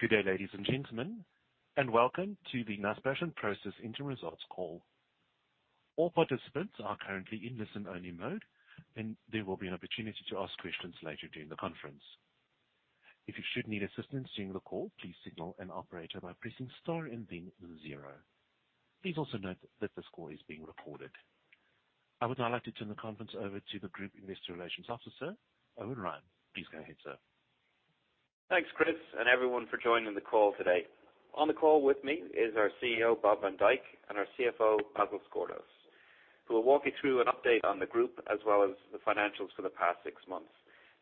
Good day, ladies and gentlemen, and welcome to the Naspers and Prosus interim results call. All participants are currently in listen-only mode, and there will be an opportunity to ask questions later during the conference. If you should need assistance during the call, please signal an operator by pressing star and then zero. Please also note that this call is being recorded. I would now like to turn the conference over to the Group Investor Relations Officer, Eoin Ryan. Please go ahead, sir. Thanks, Chris, and everyone for joining the call today. On the call with me is our CEO, Bob van Dijk, and our CFO, Basil Sgourdos, who will walk you through an update on the group as well as the financials for the past six months.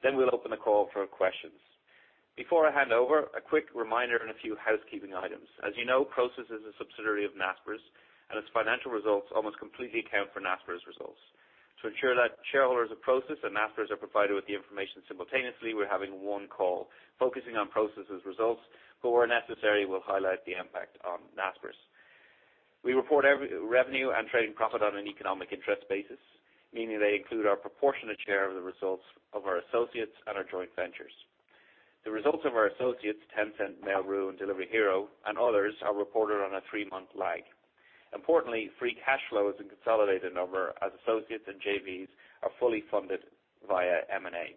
Then we'll open the call for questions. Before I hand over, a quick reminder and a few housekeeping items. As you know, Prosus is a subsidiary of Naspers, and its financial results almost completely account for Naspers results. To ensure that shareholders of Prosus and Naspers are provided with the information simultaneously, we're having one call focusing on Prosus' results, but where necessary, we'll highlight the impact on Naspers. We report every revenue and trading profit on an economic interest basis, meaning they include our proportionate share of the results of our associates and our joint ventures. The results of our associates, Tencent, Meituan, and Delivery Hero and others, are reported on a three-month lag. Importantly, free cash flow is a consolidated number as associates and JVs are fully funded via M&A.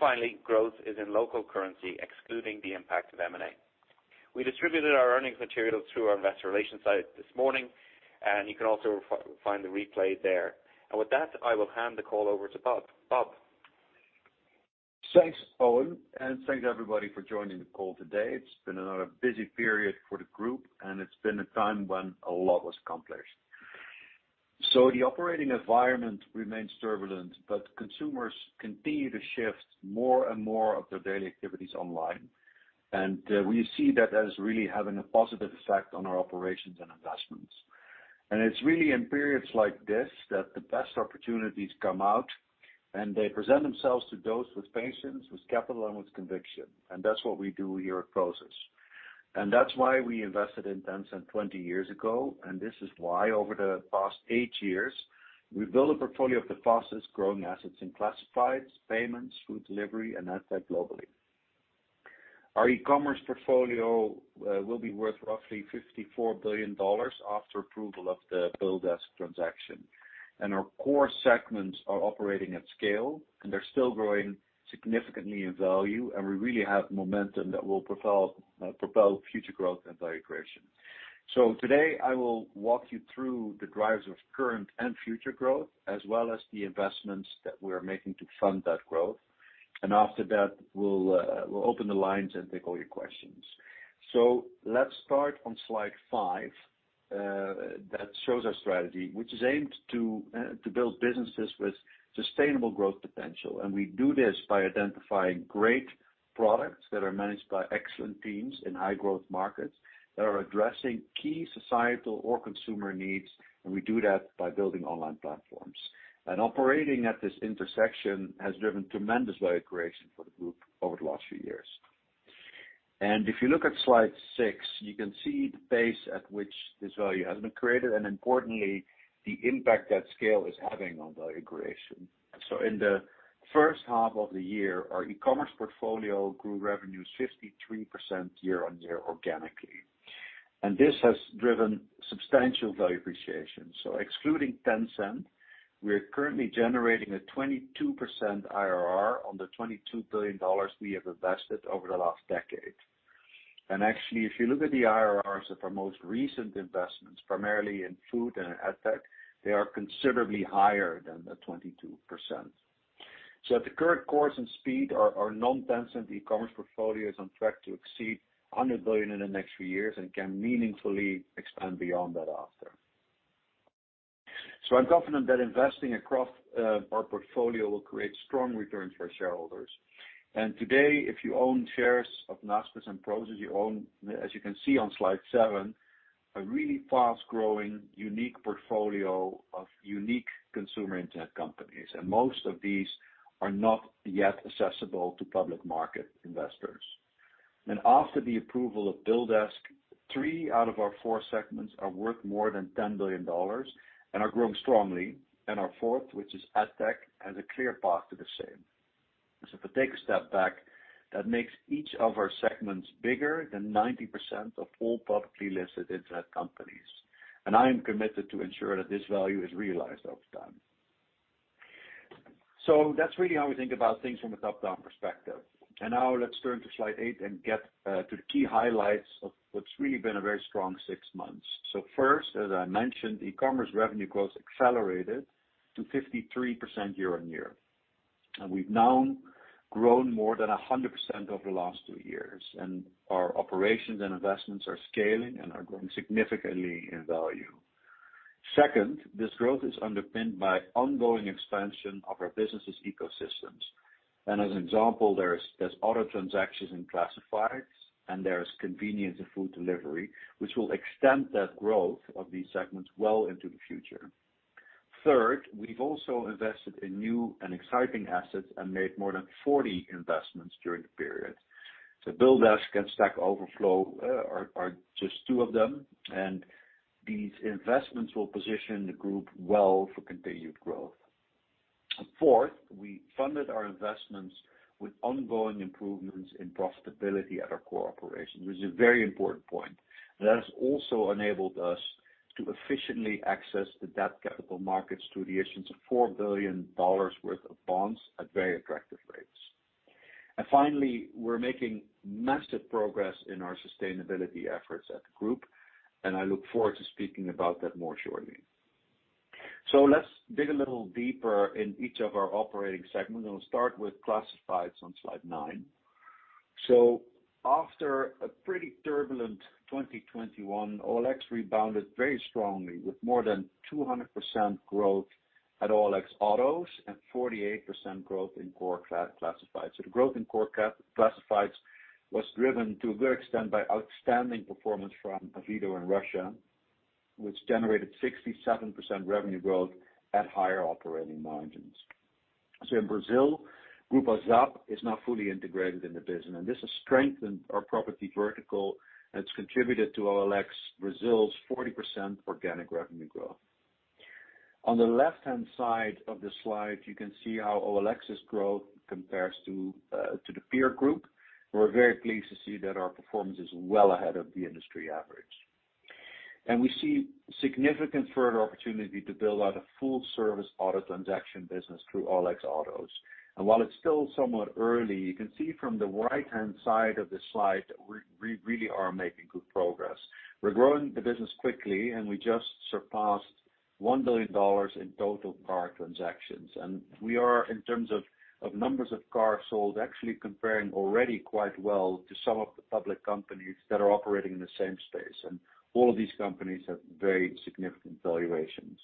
Finally, growth is in local currency, excluding the impact of M&A. We distributed our earnings material through our investor relations site this morning, and you can also find the replay there. With that, I will hand the call over to Bob. Bob? Thanks, Eoin, and thanks everybody for joining the call today. It's been another busy period for the group, and it's been a time when a lot was accomplished. The operating environment remains turbulent, but consumers continue to shift more and more of their daily activities online. We see that as really having a positive effect on our operations and investments. It's really in periods like this that the best opportunities come out, and they present themselves to those with patience, with capital, and with conviction, and that's what we do here at Prosus. That's why we invested in Tencent 20 years ago, and this is why, over the past 8 years, we've built a portfolio of the fastest-growing assets in classifieds, payments, food delivery, and ad tech globally. Our e-commerce portfolio will be worth roughly $54 billion after approval of the BillDesk transaction. Our core segments are operating at scale, and they're still growing significantly in value, and we really have momentum that will propel future growth and value creation. Today, I will walk you through the drivers of current and future growth, as well as the investments that we're making to fund that growth. After that, we'll open the lines and take all your questions. Let's start on slide five that shows our strategy, which is aimed to build businesses with sustainable growth potential. We do this by identifying great products that are managed by excellent teams in high-growth markets that are addressing key societal or consumer needs, and we do that by building online platforms. Operating at this intersection has driven tremendous value creation for the group over the last few years. If you look at slide six, you can see the pace at which this value has been created, and importantly, the impact that scale is having on value creation. In the first half of the year, our e-commerce portfolio grew revenues 53% year-on-year organically. This has driven substantial value appreciation. Excluding Tencent, we're currently generating a 22% IRR on the $22 billion we have invested over the last decade. Actually, if you look at the IRRs of our most recent investments, primarily in food and ad tech, they are considerably higher than the 22%. At the current course and speed, our non-Tencent e-commerce portfolio is on track to exceed $100 billion in the next few years and can meaningfully expand beyond that after. I'm confident that investing across our portfolio will create strong returns for our shareholders. Today, if you own shares of Naspers and Prosus, you own, as you can see on slide 7, a really fast-growing, unique portfolio of unique consumer internet companies. Most of these are not yet accessible to public market investors. After the approval of BillDesk, three out of our four segments are worth more than $10 billion and are growing strongly. Our fourth, which is ad tech, has a clear path to the same. If I take a step back, that makes each of our segments bigger than 90% of all publicly listed internet companies. I am committed to ensure that this value is realized over time. That's really how we think about things from a top-down perspective. Now let's turn to slide 8 and get to the key highlights of what's really been a very strong six months. First, as I mentioned, e-commerce revenue growth accelerated to 53% year-on-year. We've now grown more than 100% over the last 2 years, and our operations and investments are scaling and are growing significantly in value. Second, this growth is underpinned by ongoing expansion of our businesses' ecosystems. As an example, there's auto transactions in classifieds, and there's convenience in food delivery, which will extend that growth of these segments well into the future. Third, we've also invested in new and exciting assets and made more than 40 investments during the period. BillDesk and Stack Overflow are just two of them, and these investments will position the group well for continued growth. Fourth, we funded our investments with ongoing improvements in profitability at our core operations, which is a very important point. That has also enabled us to efficiently access the debt capital markets through the issuance of $4 billion worth of bonds at very attractive rates. Finally, we're making massive progress in our sustainability efforts at the group, and I look forward to speaking about that more shortly. Let's dig a little deeper in each of our operating segments, and we'll start with Classifieds on slide nine. After a pretty turbulent 2021, OLX rebounded very strongly with more than 200% growth at OLX Autos and 48% growth in core Classifieds. The growth in core classifieds was driven to a great extent by outstanding performance from Avito in Russia, which generated 67% revenue growth at higher operating margins. In Brazil, Grupo ZAP is now fully integrated in the business, and this has strengthened our property vertical, and it's contributed to OLX Brazil's 40% organic revenue growth. On the left-hand side of the slide, you can see how OLX's growth compares to the peer group. We're very pleased to see that our performance is well ahead of the industry average. We see significant further opportunity to build out a full-service auto transaction business through OLX Autos. While it's still somewhat early, you can see from the right-hand side of the slide that we really are making good progress. We're growing the business quickly, and we just surpassed $1 billion in total car transactions. We are, in terms of numbers of cars sold, actually comparing already quite well to some of the public companies that are operating in the same space. All of these companies have very significant valuations.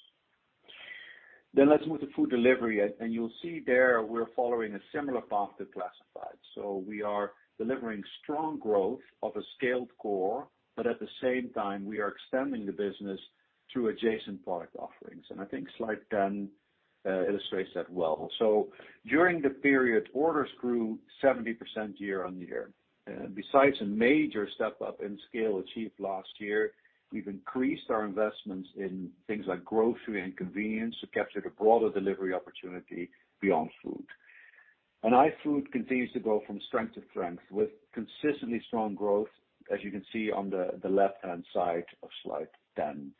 Let's move to food delivery, and you'll see there we're following a similar path to classified. We are delivering strong growth of a scaled core, but at the same time, we are extending the business through adjacent product offerings. I think slide 10 illustrates that well. During the period, orders grew 70% year-on-year. Besides a major step up in scale achieved last year, we've increased our investments in things like grocery and convenience to capture the broader delivery opportunity beyond food. iFood continues to go from strength to strength with consistently strong growth, as you can see on the left-hand side of slide 10.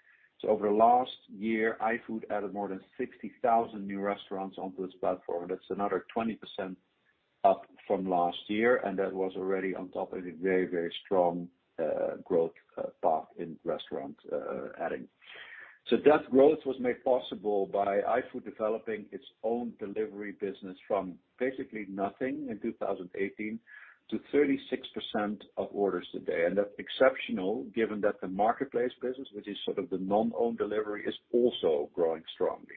Over the last year, iFood added more than 60,000 new restaurants onto its platform. That's another 20% up from last year, and that was already on top of a very, very strong growth path in restaurant adding. That growth was made possible by iFood developing its own delivery business from basically nothing in 2018 to 36% of orders today. That's exceptional given that the marketplace business, which is sort of the non-own delivery, is also growing strongly.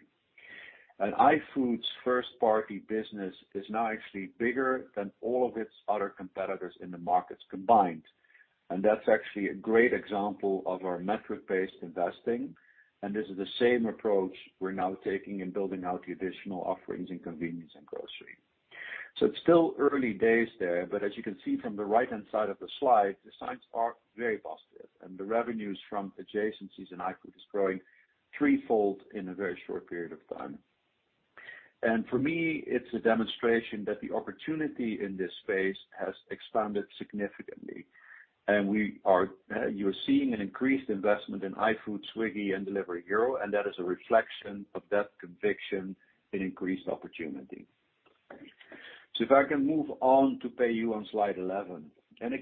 iFood's first party business is now actually bigger than all of its other competitors in the markets combined. That's actually a great example of our metric-based investing. This is the same approach we're now taking in building out the additional offerings in convenience and grocery. It's still early days there, but as you can see from the right-hand side of the slide, the signs are very positive, and the revenues from adjacencies in iFood is growing threefold in a very short period of time. For me, it's a demonstration that the opportunity in this space has expanded significantly. You're seeing an increased investment in iFood, Swiggy and Delivery Hero, and that is a reflection of that conviction in increased opportunity. If I can move on to PayU on slide 11.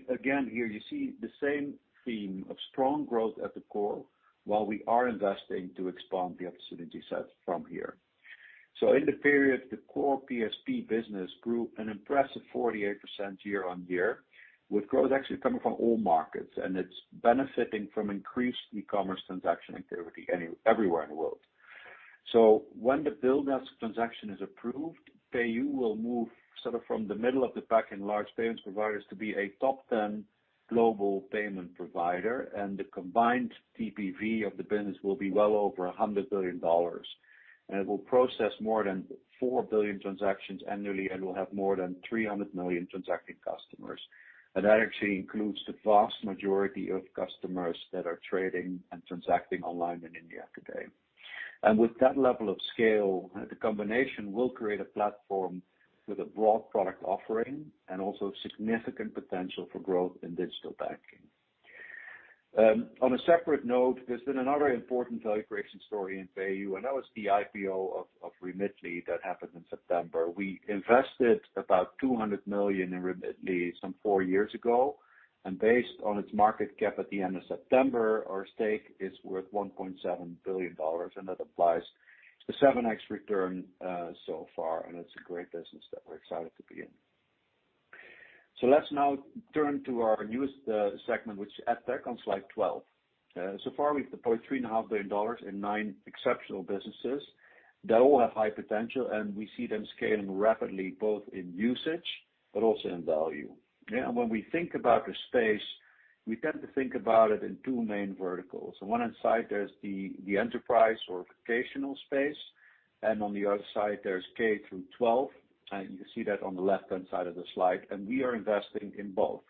Again, here you see the same theme of strong growth at the core while we are investing to expand the opportunity set from here. In the period, the core PSP business grew an impressive 48% year-on-year, with growth actually coming from all markets, and it's benefiting from increased e-commerce transaction activity everywhere in the world. When the BillDesk transaction is approved, PayU will move sort of from the middle of the pack in large payments providers to be a top 10 global payment provider, and the combined TPV of the business will be well over $100 billion. It will process more than 4 billion transactions annually and will have more than 300 million transacting customers. That actually includes the vast majority of customers that are trading and transacting online in India today. With that level of scale, the combination will create a platform with a broad product offering and also significant potential for growth in digital banking. On a separate note, there's been another important value creation story in PayU, and that was the IPO of Remitly that happened in September. We invested about $200 million in Remitly some four years ago. Based on its market cap at the end of September, our stake is worth $1.7 billion, and that applies a 7x return so far. It's a great business that we're excited to be in. Let's now turn to our newest segment, which is EdTech on slide 12. So far we've deployed $3.5 billion in nine exceptional businesses that all have high potential, and we see them scaling rapidly, both in usage but also in value. When we think about the space, we tend to think about it in two main verticals. On one side, there's the enterprise or vocational space, and on the other side, there's K-12, and you can see that on the left-hand side of the slide, and we are investing in both.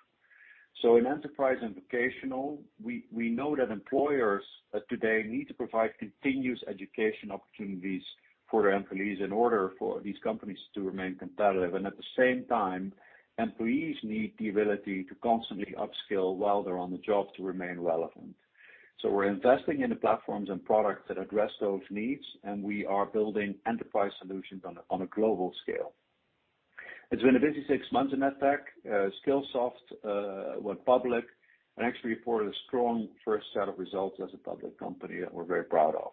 In enterprise and vocational, we know that employers today need to provide continuous education opportunities for their employees in order for these companies to remain competitive. At the same time, employees need the ability to constantly upskill while they're on the job to remain relevant. We're investing in the platforms and products that address those needs, and we are building enterprise solutions on a global scale. It's been a busy six months in EdTech. Skillsoft went public and actually reported a strong first set of results as a public company that we're very proud of.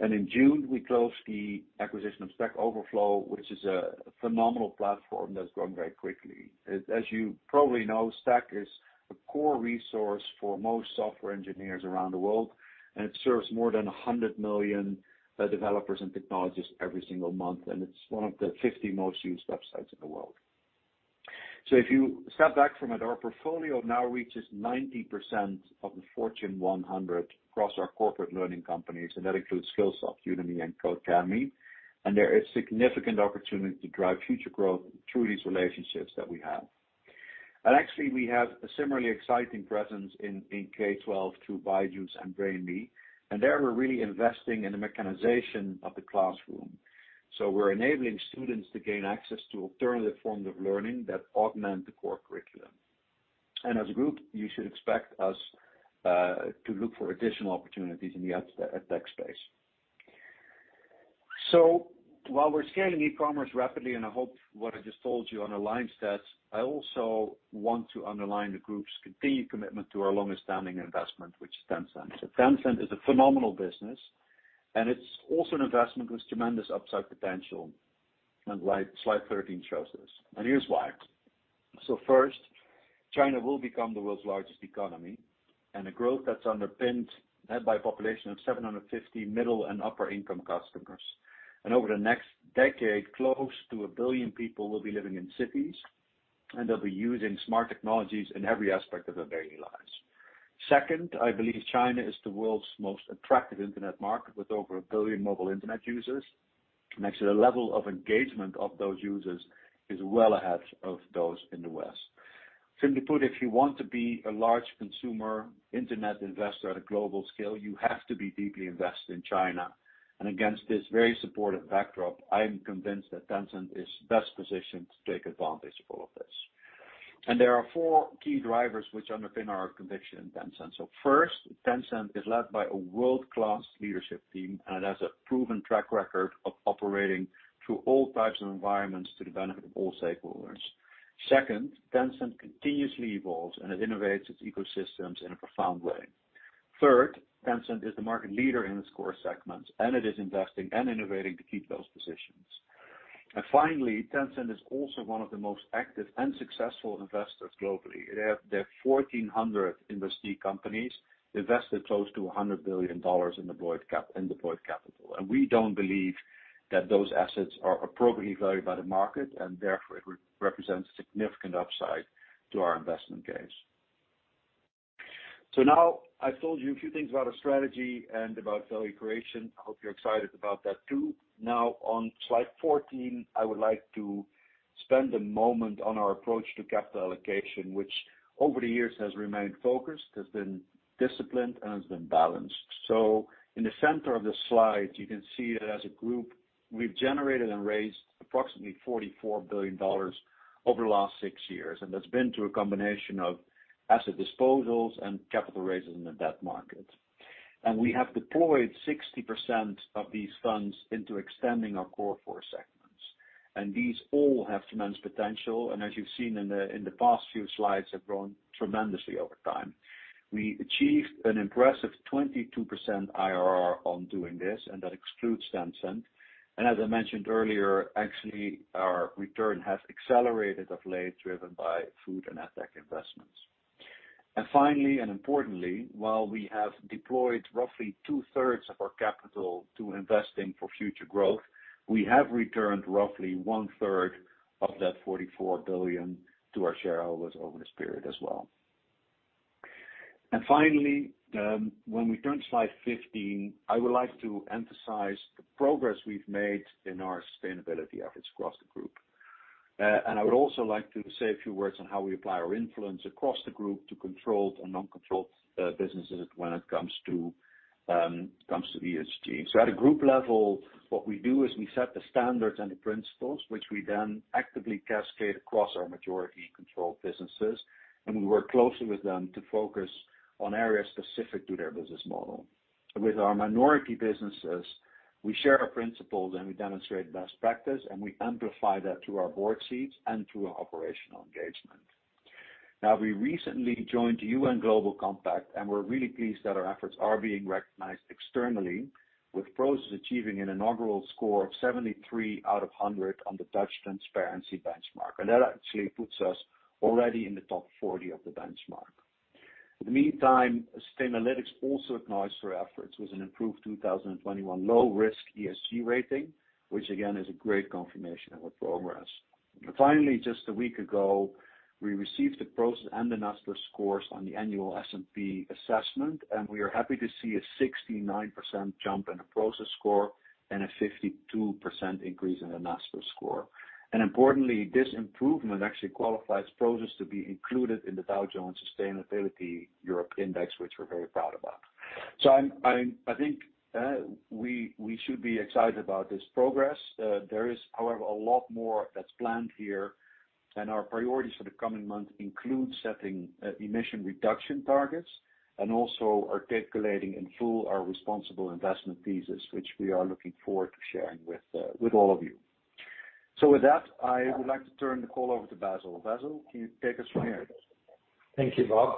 In June, we closed the acquisition of Stack Overflow, which is a phenomenal platform that's growing very quickly. As you probably know, Stack is a core resource for most software engineers around the world, and it serves more than 100 million developers and technologists every single month. It's one of the 50 most used websites in the world. If you step back from it, our portfolio now reaches 90% of the Fortune 100 across our corporate learning companies, and that includes Skillsoft, Udemy, and Codecademy. There is significant opportunity to drive future growth through these relationships that we have. Actually, we have a similarly exciting presence in K-12 through Byju's and Brainly. There, we're really investing in the mechanization of the classroom. We're enabling students to gain access to alternative forms of learning that augment the core curriculum. As a group, you should expect us to look for additional opportunities in the EdTech space. While we're scaling e-commerce rapidly, and I hope what I just told you underlines that, I also want to underline the group's continued commitment to our longest standing investment, which is Tencent. Tencent is a phenomenal business, and it's also an investment with tremendous upside potential. Slide 13 shows this. Here's why. First, China will become the world's largest economy and a growth that's underpinned by a population of 750 million middle and upper income customers. Over the next decade, close to 1 billion people will be living in cities, and they'll be using smart technologies in every aspect of their daily lives. Second, I believe China is the world's most attractive internet market with over 1 billion mobile internet users. Actually, the level of engagement of those users is well ahead of those in the West. Simply put, if you want to be a large consumer internet investor at a global scale, you have to be deeply invested in China. Against this very supportive backdrop, I am convinced that Tencent is best positioned to take advantage of all of this. There are four key drivers which underpin our conviction in Tencent. First, Tencent is led by a world-class leadership team, and it has a proven track record of operating through all types of environments to the benefit of all stakeholders. Second, Tencent continuously evolves, and it innovates its ecosystems in a profound way. Third, Tencent is the market leader in its core segments, and it is investing and innovating to keep those positions. Finally, Tencent is also one of the most active and successful investors globally. They have 1,400 investee companies. They invested close to $100 billion in deployed capital. We don't believe that those assets are appropriately valued by the market, and therefore it represents significant upside to our investment case. Now I've told you a few things about our strategy and about value creation. I hope you're excited about that too. Now on slide 14, I would like to spend a moment on our approach to capital allocation, which over the years has remained focused, has been disciplined, and has been balanced. In the center of the slide, you can see that as a group, we've generated and raised approximately $44 billion over the last six years. That's been through a combination of asset disposals and capital raises in the debt market. We have deployed 60% of these funds into extending our core four segments. These all have tremendous potential, and as you've seen in the past few slides, have grown tremendously over time. We achieved an impressive 22% IRR on doing this, and that excludes Tencent. As I mentioned earlier, actually, our return has accelerated of late, driven by food and EdTech investments. Finally, and importantly, while we have deployed roughly two-thirds of our capital to investing for future growth, we have returned roughly one-third of that $44 billion to our shareholders over this period as well. Finally, when we turn to slide 15, I would like to emphasize the progress we've made in our sustainability efforts across the group. I would also like to say a few words on how we apply our influence across the group to controlled and non-controlled businesses when it comes to ESG. At a group level, what we do is we set the standards and the principles, which we then actively cascade across our majority controlled businesses, and we work closely with them to focus on areas specific to their business model. With our minority businesses, we share our principles, and we demonstrate best practice, and we amplify that through our board seats and through our operational engagement. Now, we recently joined the UN Global Compact, and we're really pleased that our efforts are being recognized externally, with Prosus achieving an inaugural score of 73 out of 100 on the Dutch Transparency Benchmark. That actually puts us already in the top 40 of the benchmark. In the meantime, Sustainalytics also acknowledged our efforts with an improved 2021 low-risk ESG rating, which again, is a great confirmation of our progress. Finally, just a week ago, we received the Prosus and the Naspers scores on the annual S&P assessment, and we are happy to see a 69% jump in the Prosus score and a 52% increase in the Naspers score. Importantly, this improvement actually qualifies Prosus to be included in the Dow Jones Sustainability Index Europe, which we're very proud about. I think we should be excited about this progress. There is, however, a lot more that's planned here, and our priorities for the coming months include setting emission reduction targets, and also articulating in full our responsible investment thesis, which we are looking forward to sharing with all of you. With that, I would like to turn the call over to Basil. Basil, can you take us from here? Thank you, Bob.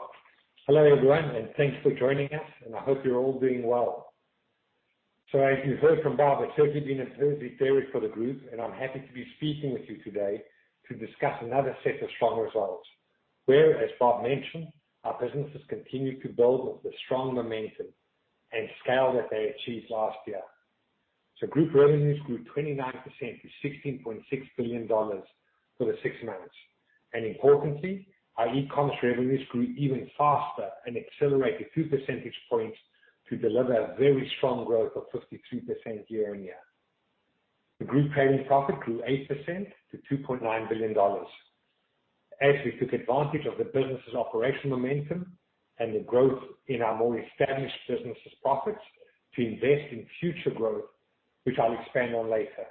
Hello, everyone, and thanks for joining us, and I hope you're all doing well. As you heard from Bob, it's certainly been a busy period for the group, and I'm happy to be speaking with you today to discuss another set of strong results, where, as Bob mentioned, our businesses continue to build off the strong momentum and scale that they achieved last year. Group revenues grew 29% to $16.6 billion for the six months. Importantly, our e-commerce revenues grew even faster and accelerated 2 percentage points to deliver a very strong growth of 52% year-on-year. The Group trading profit grew 8% to $2.9 billion. As we took advantage of the business's operational momentum and the growth in our more established businesses profits to invest in future growth, which I'll expand on later.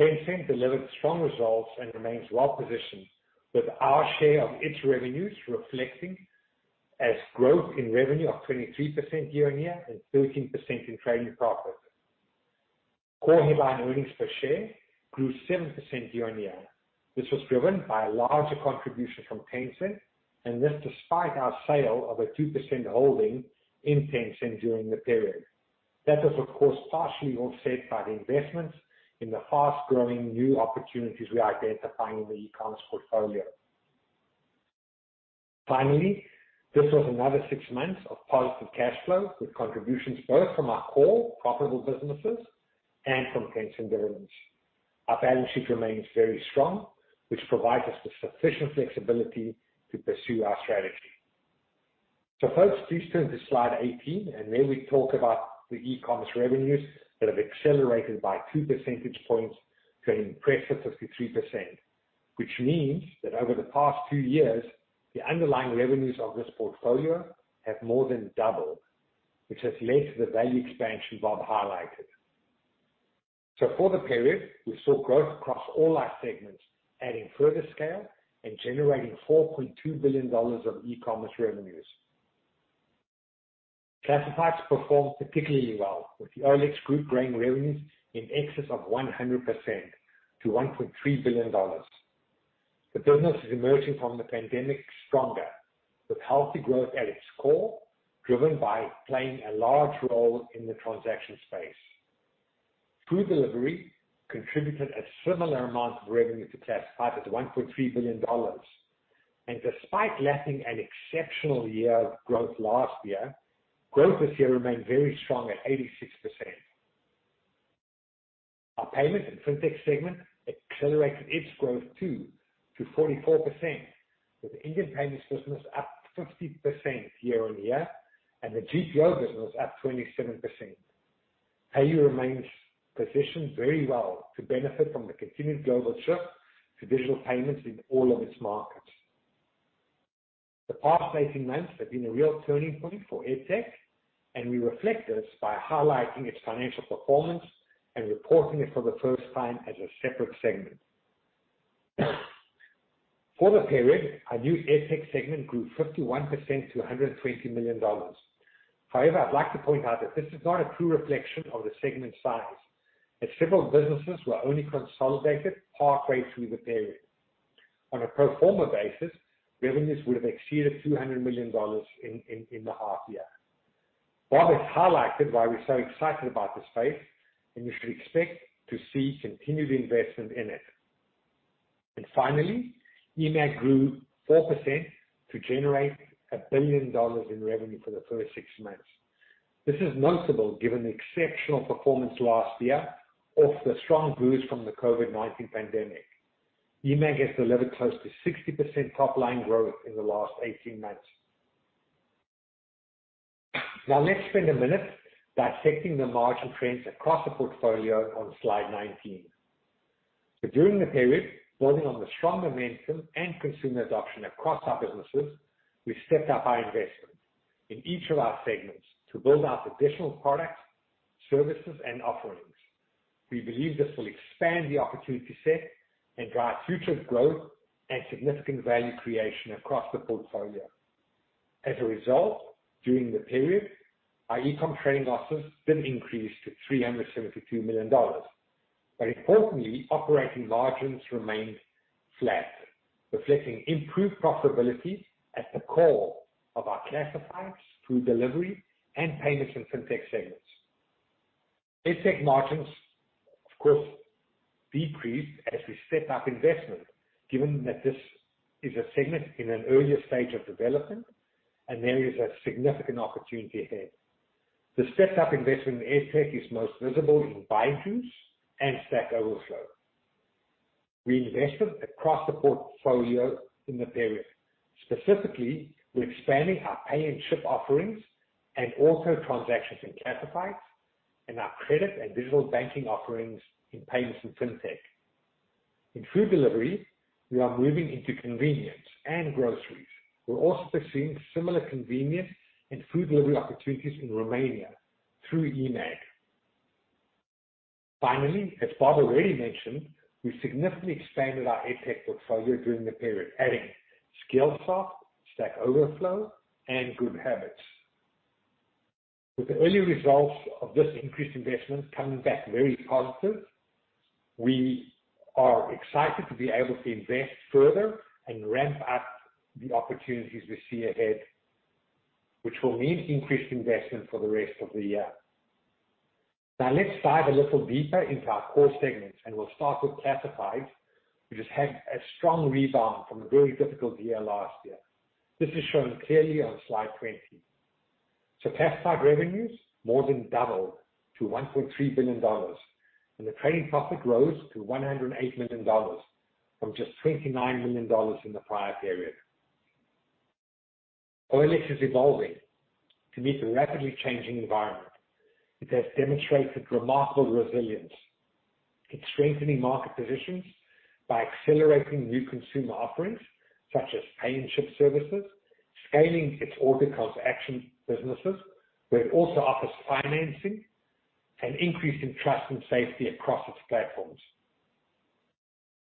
Tencent delivered strong results and remains well-positioned, with our share of its revenues reflecting a growth in revenue of 23% year-on-year and 13% in trading profit. Core headline earnings per share grew 7% year-on-year. This was driven by a larger contribution from Tencent, and this despite our sale of a 2% holding in Tencent during the period. That was, of course, partially offset by the investments in the fast-growing new opportunities we are identifying in the e-commerce portfolio. Finally, this was another six months of positive cash flow, with contributions both from our core profitable businesses and from Tencent dividends. Our balance sheet remains very strong, which provides us with sufficient flexibility to pursue our strategy. Folks, please turn to slide 18, there we talk about the e-commerce revenues that have accelerated by 2 percentage points to an impressive 63%, which means that over the past 2 years, the underlying revenues of this portfolio have more than doubled, which has led to the value expansion Bob highlighted. For the period, we saw growth across all our segments, adding further scale and generating $4.2 billion of e-commerce revenues. Classifieds performed particularly well, with the OLX Group growing revenues in excess of 100% to $1.3 billion. The business is emerging from the pandemic stronger, with healthy growth at its core, driven by playing a large role in the transaction space. Food delivery contributed a similar amount of revenue to Classifieds at $1.3 billion. Despite lacking an exceptional year of growth last year, growth this year remained very strong at 86%. Our payments and FinTech segment accelerated its growth too to 44%, with the Indian payments business up 50% year-on-year and the GPO business up 27%. PayU remains positioned very well to benefit from the continued global shift to digital payments in all of its markets. The past eighteen months have been a real turning point for EdTech, and we reflect this by highlighting its financial performance and reporting it for the first time as a separate segment. For the period, our new EdTech segment grew 51% to $120 million. However, I'd like to point out that this is not a true reflection of the segment size, as several businesses were only consolidated partway through the period. On a pro forma basis, revenues would have exceeded $200 million in the half year. Bob has highlighted why we're so excited about this space, and you should expect to see continued investment in it. Finally, eMAG grew 4% to generate $1 billion in revenue for the first 6 months. This is notable given the exceptional performance last year of the strong boost from the COVID-19 pandemic. eMAG has delivered close to 60% top-line growth in the last 18 months. Now let's spend a minute dissecting the margin trends across the portfolio on slide 19. During the period, building on the strong momentum and consumer adoption across our businesses, we stepped up our investment in each of our segments to build out additional products, services, and offerings. We believe this will expand the opportunity set and drive future growth and significant value creation across the portfolio. As a result, during the period, our e-com trading losses then increased to $372 million. Importantly, operating margins remained flat, reflecting improved profitability at the core of our Classifieds, Food Delivery, and Payments and Fintech segments. EdTech margins, of course, decreased as we stepped up investment, given that this is a segment in an earlier stage of development, and there is a significant opportunity ahead. The stepped up investment in EdTech is most visible in Byju's and Stack Overflow. We invested across the portfolio in the period. Specifically, we're expanding our pay and ship offerings and auto transactions in Classifieds and our credit and digital banking offerings in Payments and Fintech. In Food Delivery, we are moving into convenience and groceries. We're also pursuing similar convenience and food delivery opportunities in Romania through eMAG. Finally, as Bob already mentioned, we significantly expanded our EdTech portfolio during the period, adding Skillsoft, Stack Overflow, and GoodHabitz. With the early results of this increased investment coming back very positive, we are excited to be able to invest further and ramp up the opportunities we see ahead, which will mean increased investment for the rest of the year. Now let's dive a little deeper into our core segments, and we'll start with Classifieds, which has had a strong rebound from a very difficult year last year. This is shown clearly on slide 20. Classified revenues more than doubled to $1.3 billion, and the trading profit rose to $108 million from just $29 million in the prior period. OLX is evolving to meet the rapidly changing environment. It has demonstrated remarkable resilience. It's strengthening market positions by accelerating new consumer offerings, such as pay and ship services, scaling its order-calls-action businesses, where it also offers financing, and increasing trust and safety across its platforms.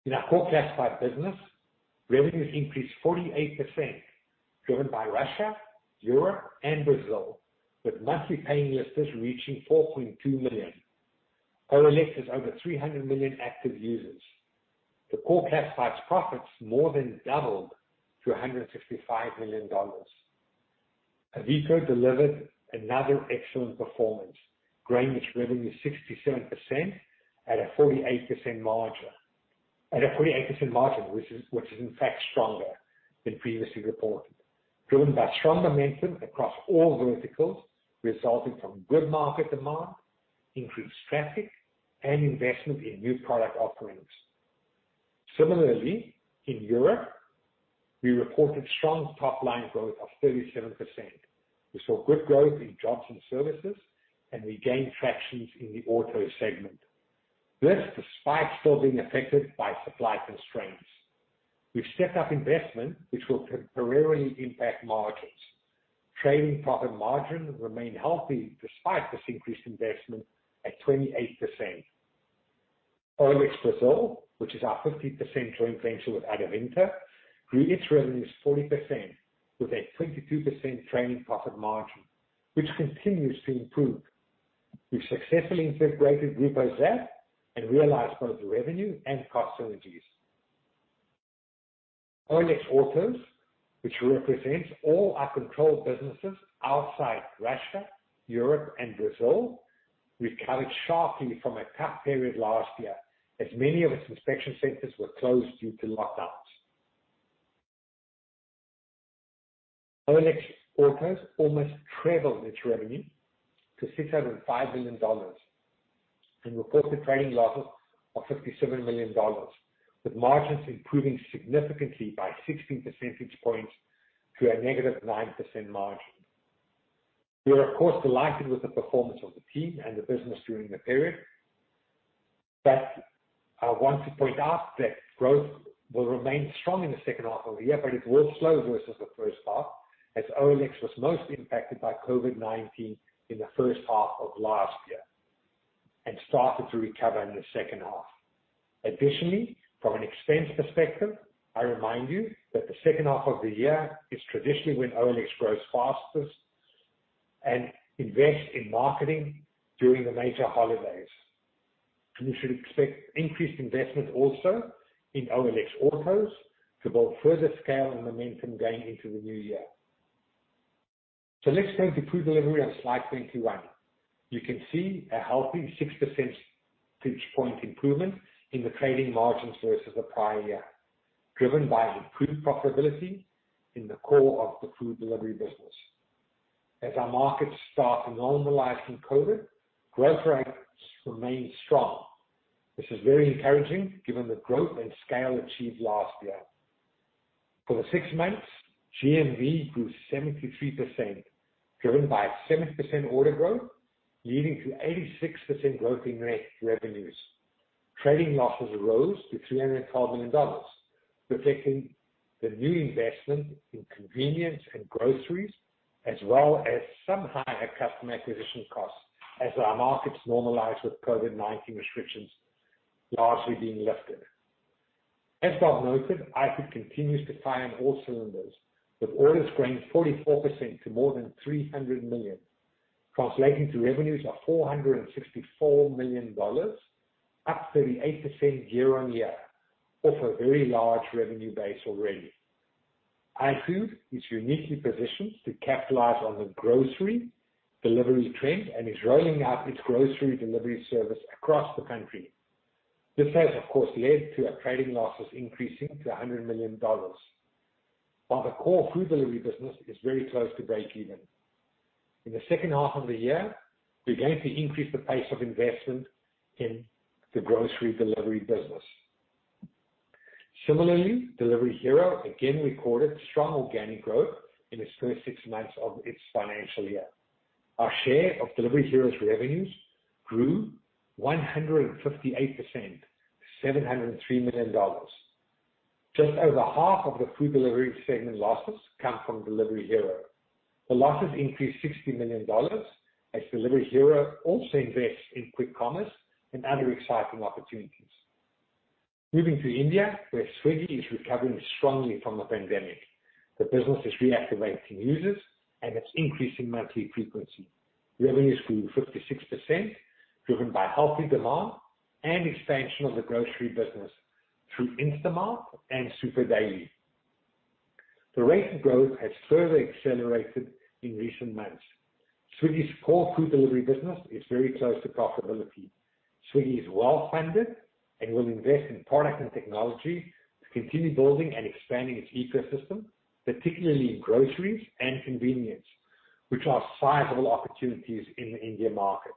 In our core Classifieds business, revenues increased 48%, driven by Russia, Europe, and Brazil, with monthly paying listers reaching 4.2 million. OLX has over 300 million active users. The core Classifieds' profits more than doubled to $165 million. Avito delivered another excellent performance, growing its revenue 67% at a 48% margin, which is in fact stronger than previously reported, driven by strong momentum across all verticals resulting from good market demand, increased traffic, and investment in new product offerings. Similarly, in Europe, we reported strong top-line growth of 37%. We saw good growth in jobs and services, and we gained traction in the auto segment. This despite still being affected by supply constraints. We've stepped up investment, which will temporarily impact margins. Trading profit margin remains healthy despite this increased investment at 28%. OLX Brasil, which is our 50% joint venture with Adevinta, grew its revenues 40% with a 22% trading profit margin, which continues to improve. We've successfully integrated Grupo ZAP and realized both revenue and cost synergies. OLX Autos, which represents all our controlled businesses outside Russia, Europe, and Brazil, recovered sharply from a tough period last year, as many of its inspection centers were closed due to lockdowns. OLX Autos almost tripled its revenue to $605 million and reported trading losses of $57 million, with margins improving significantly by 60 percentage points to a -9% margin. We are, of course, delighted with the performance of the team and the business during the period. I want to point out that growth will remain strong in the second half of the year, but it will slow versus the first half, as OLX was most impacted by COVID-19 in the first half of last year and started to recover in the second half. Additionally, from an expense perspective, I remind you that the second half of the year is traditionally when OLX grows fastest and invest in marketing during the major holidays. You should expect increased investment also in OLX Autos to build further scale and momentum going into the new year. Let's go into food delivery on slide 21. You can see a healthy 6 percentage point improvement in the trading margins versus the prior year, driven by improved profitability in the core of the food delivery business. As our markets start normalizing post-COVID, growth rates remain strong. This is very encouraging, given the growth and scale achieved last year. For the six months, GMV grew 73%, driven by 7% order growth, leading to 86% growth in revenues. Trading losses rose to $312 million, reflecting the new investment in convenience and groceries, as well as some higher customer acquisition costs as our markets normalize post COVID-19 restrictions largely being lifted. As Bob noted, iFood continues to fire on all cylinders, with orders growing 44% to more than 300 million, translating to revenues of $464 million, up 38% year-on-year, off a very large revenue base already. iFood is uniquely positioned to capitalize on the grocery delivery trend and is rolling out its grocery delivery service across the country. This has, of course, led to our trading losses increasing to $100 million, while the core food delivery business is very close to breakeven. In the second half of the year, we're going to increase the pace of investment in the grocery delivery business. Similarly, Delivery Hero again recorded strong organic growth in its first six months of its financial year. Our share of Delivery Hero's revenues grew 158%, $703 million. Just over half of the food delivery segment losses come from Delivery Hero. The losses increased $60 million as Delivery Hero also invests in quick commerce and other exciting opportunities. Moving to India, where Swiggy is recovering strongly from the pandemic, the business is reactivating users and it's increasing monthly frequency. Revenues grew 56%, driven by healthy demand and expansion of the grocery business through Instamart and Supr Daily. The rate of growth has further accelerated in recent months. Swiggy's core food delivery business is very close to profitability. Swiggy is well-funded and will invest in product and technology to continue building and expanding its ecosystem, particularly in groceries and convenience, which are sizable opportunities in the India market.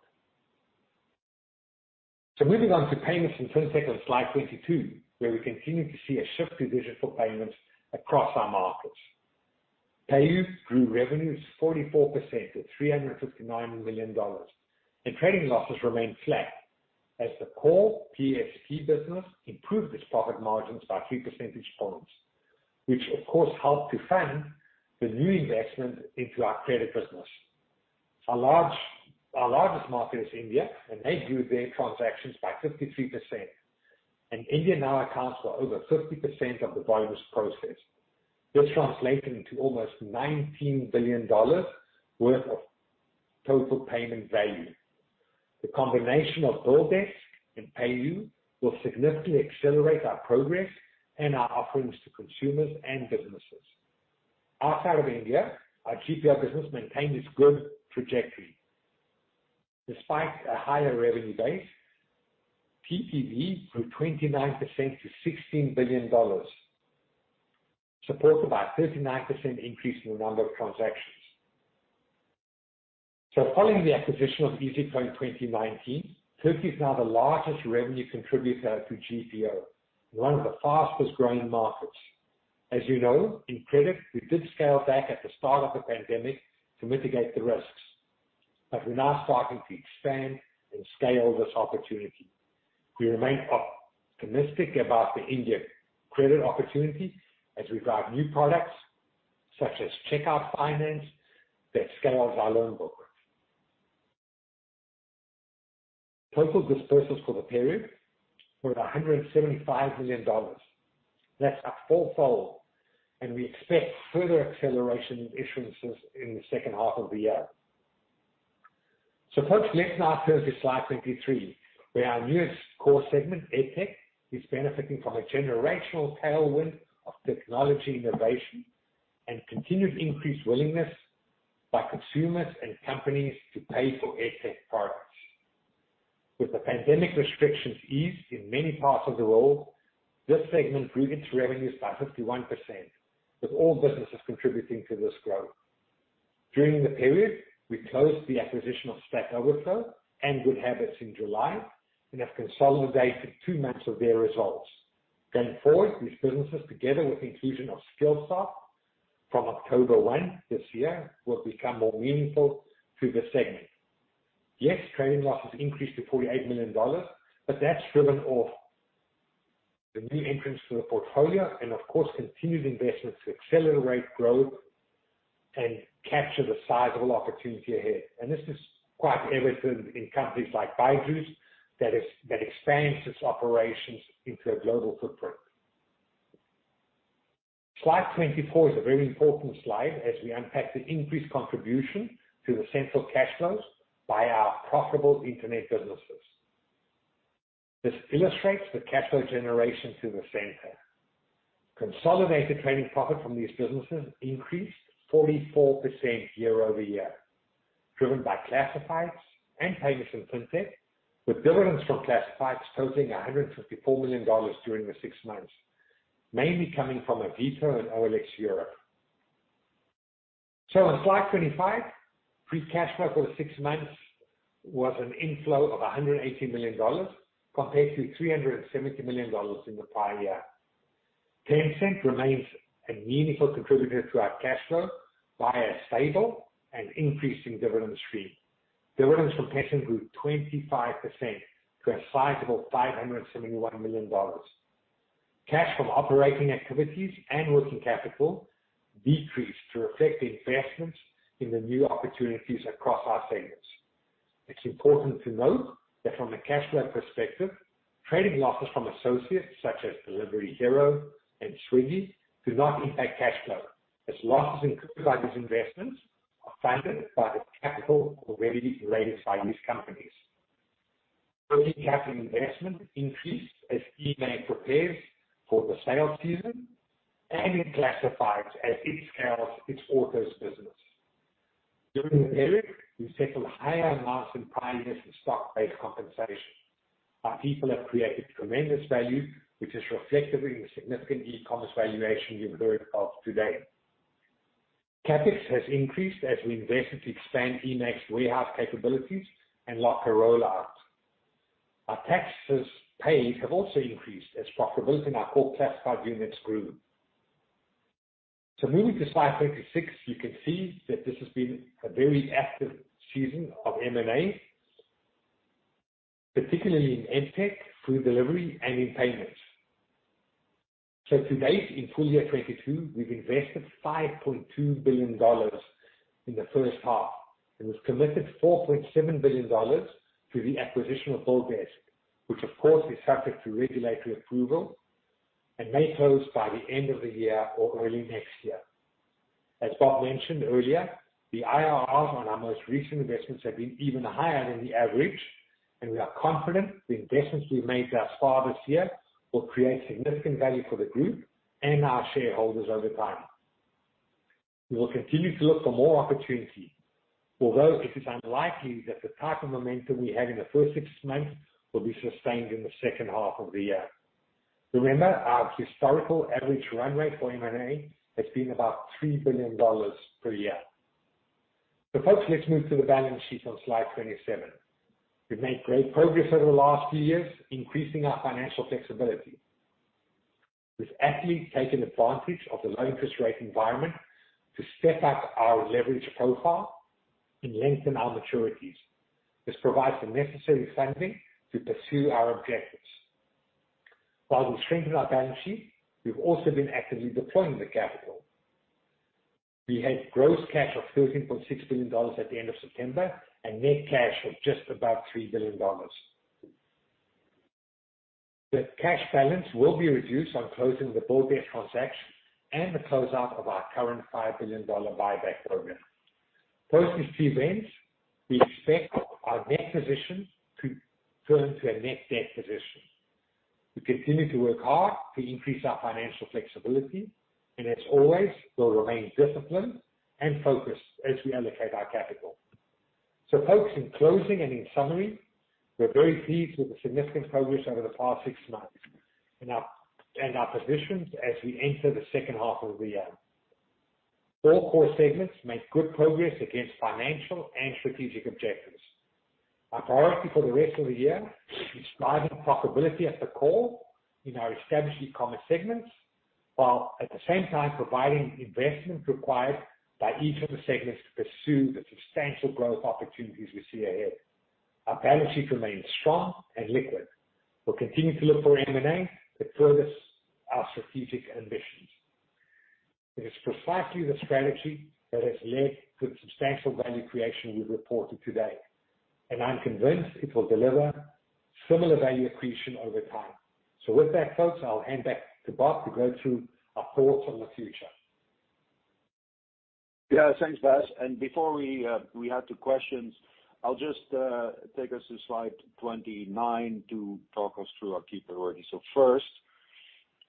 Moving on to payments and fintech on slide 22, where we continue to see a shift to digital payments across our markets. PayU grew revenues 44% to $359 million, and trading losses remained flat as the core PSP business improved its profit margins by 3 percentage points, which of course helped to fund the new investment into our credit business. Our largest market is India, and they grew their transactions by 53%. India now accounts for over 50% of the volumes processed. This translating to almost $19 billion worth of total payment value. The combination of BillDesk and PayU will significantly accelerate our progress and our offerings to consumers and businesses. Outside of India, our GPO business maintained its good trajectory. Despite a higher revenue base, TPV grew 29% to $16 billion, supported by a 39% increase in the number of transactions. Following the acquisition of Iyzico in 2019, Turkey is now the largest revenue contributor to GPO and one of the fastest-growing markets. As you know, in credit, we did scale back at the start of the pandemic to mitigate the risks, but we're now starting to expand and scale this opportunity. We remain optimistic about the India credit opportunity as we drive new products such as checkout finance that scales our loan book growth. Total dispersals for the period were $175 million. That's up four-fold, and we expect further acceleration in issuances in the second half of the year. Folks, let's now turn to slide 23, where our newest core segment, EdTech, is benefiting from a generational tailwind of technology innovation and continued increased willingness by consumers and companies to pay for EdTech products. With the pandemic restrictions eased in many parts of the world, this segment grew its revenues by 51%, with all businesses contributing to this growth. During the period, we closed the acquisition of Stack Overflow and GoodHabitz in July and have consolidated two months of their results. Going forward, these businesses, together with inclusion of Skillsoft from October 1 this year, will become more meaningful to the segment. Yes, trading losses increased to $48 million, but that's driven by the new entrants to the portfolio and of course, continued investments to accelerate growth and capture the sizable opportunity ahead. This is quite evident in companies like Byju's that expands its operations into a global footprint. Slide 24 is a very important slide as we unpack the increased contribution to the central cash flows by our profitable internet businesses. This illustrates the cash flow generation to the center. Consolidated trading profit from these businesses increased 44% year-over-year, driven by Classifieds and Payments and Fintech, with dividends from Classifieds totaling $154 million during the six months, mainly coming from Avito and OLX Europe. On slide 25, free cash flow for the six months was an inflow of $180 million compared to $370 million in the prior year. Tencent remains a meaningful contributor to our cash flow via a stable and increasing dividend stream. Dividends from Tencent grew 25% to a sizable $571 million. Cash from operating activities and working capital decreased to reflect the investments in the new opportunities across our segments. It's important to note that from a cash flow perspective, trading losses from associates such as Delivery Hero and Swiggy do not impact cash flow as losses incurred by these investments are funded by the capital already raised by these companies. Working capital investment increased as eMAG prepares for the sales season and in classifieds as it scales its autos business. During the period, we settled higher amounts than prior years in stock-based compensation. Our people have created tremendous value, which is reflected in the significant e-commerce valuation you've heard of today. CapEx has increased as we invested to expand eMAG warehouse capabilities and locker rollout. Our taxes paid have also increased as profitability in our core classified units grew. Moving to slide 26, you can see that this has been a very active season of M&A, particularly in EdTech, food delivery, and in payments. To date, in full year 2022, we've invested $5.2 billion in the first half, and we've committed $4.7 billion to the acquisition of BillDesk, which of course, is subject to regulatory approval and may close by the end of the year or early next year. As Bob mentioned earlier, the IRRs on our most recent investments have been even higher than the average, and we are confident the investments we made thus far this year will create significant value for the group and our shareholders over time. We will continue to look for more opportunities, although it is unlikely that the type of momentum we had in the first six months will be sustained in the second half of the year. Remember, our historical average run rate for M&A has been about $3 billion per year. Folks, let's move to the balance sheet on slide 27. We've made great progress over the last few years, increasing our financial flexibility. We've actively taken advantage of the low interest rate environment to step up our leverage profile and lengthen our maturities. This provides the necessary funding to pursue our objectives. While we strengthen our balance sheet, we've also been actively deploying the capital. We had gross cash of $13.6 billion at the end of September, and net cash of just about $3 billion. The cash balance will be reduced on closing the BillDesk transaction and the close out of our current $5 billion buyback program. Post these two events, we expect our net position to turn to a net debt position. We continue to work hard to increase our financial flexibility, and as always, will remain disciplined and focused as we allocate our capital. Folks, in closing and in summary, we're very pleased with the significant progress over the past six months and our positions as we enter the second half of the year. All core segments make good progress against financial and strategic objectives. Our priority for the rest of the year is driving profitability at the core in our established e-commerce segments, while at the same time providing investment required by each of the segments to pursue the substantial growth opportunities we see ahead. Our balance sheet remains strong and liquid. We'll continue to look for M&A that progress our strategic ambitions. It is precisely the strategy that has led to the substantial value creation we've reported today, and I'm convinced it will deliver similar value accretion over time. With that, folks, I'll hand back to Bob to go through our thoughts on the future. Yeah. Thanks, Basil. Before we head to questions, I'll just take us to slide 29 to talk us through our key priorities. First,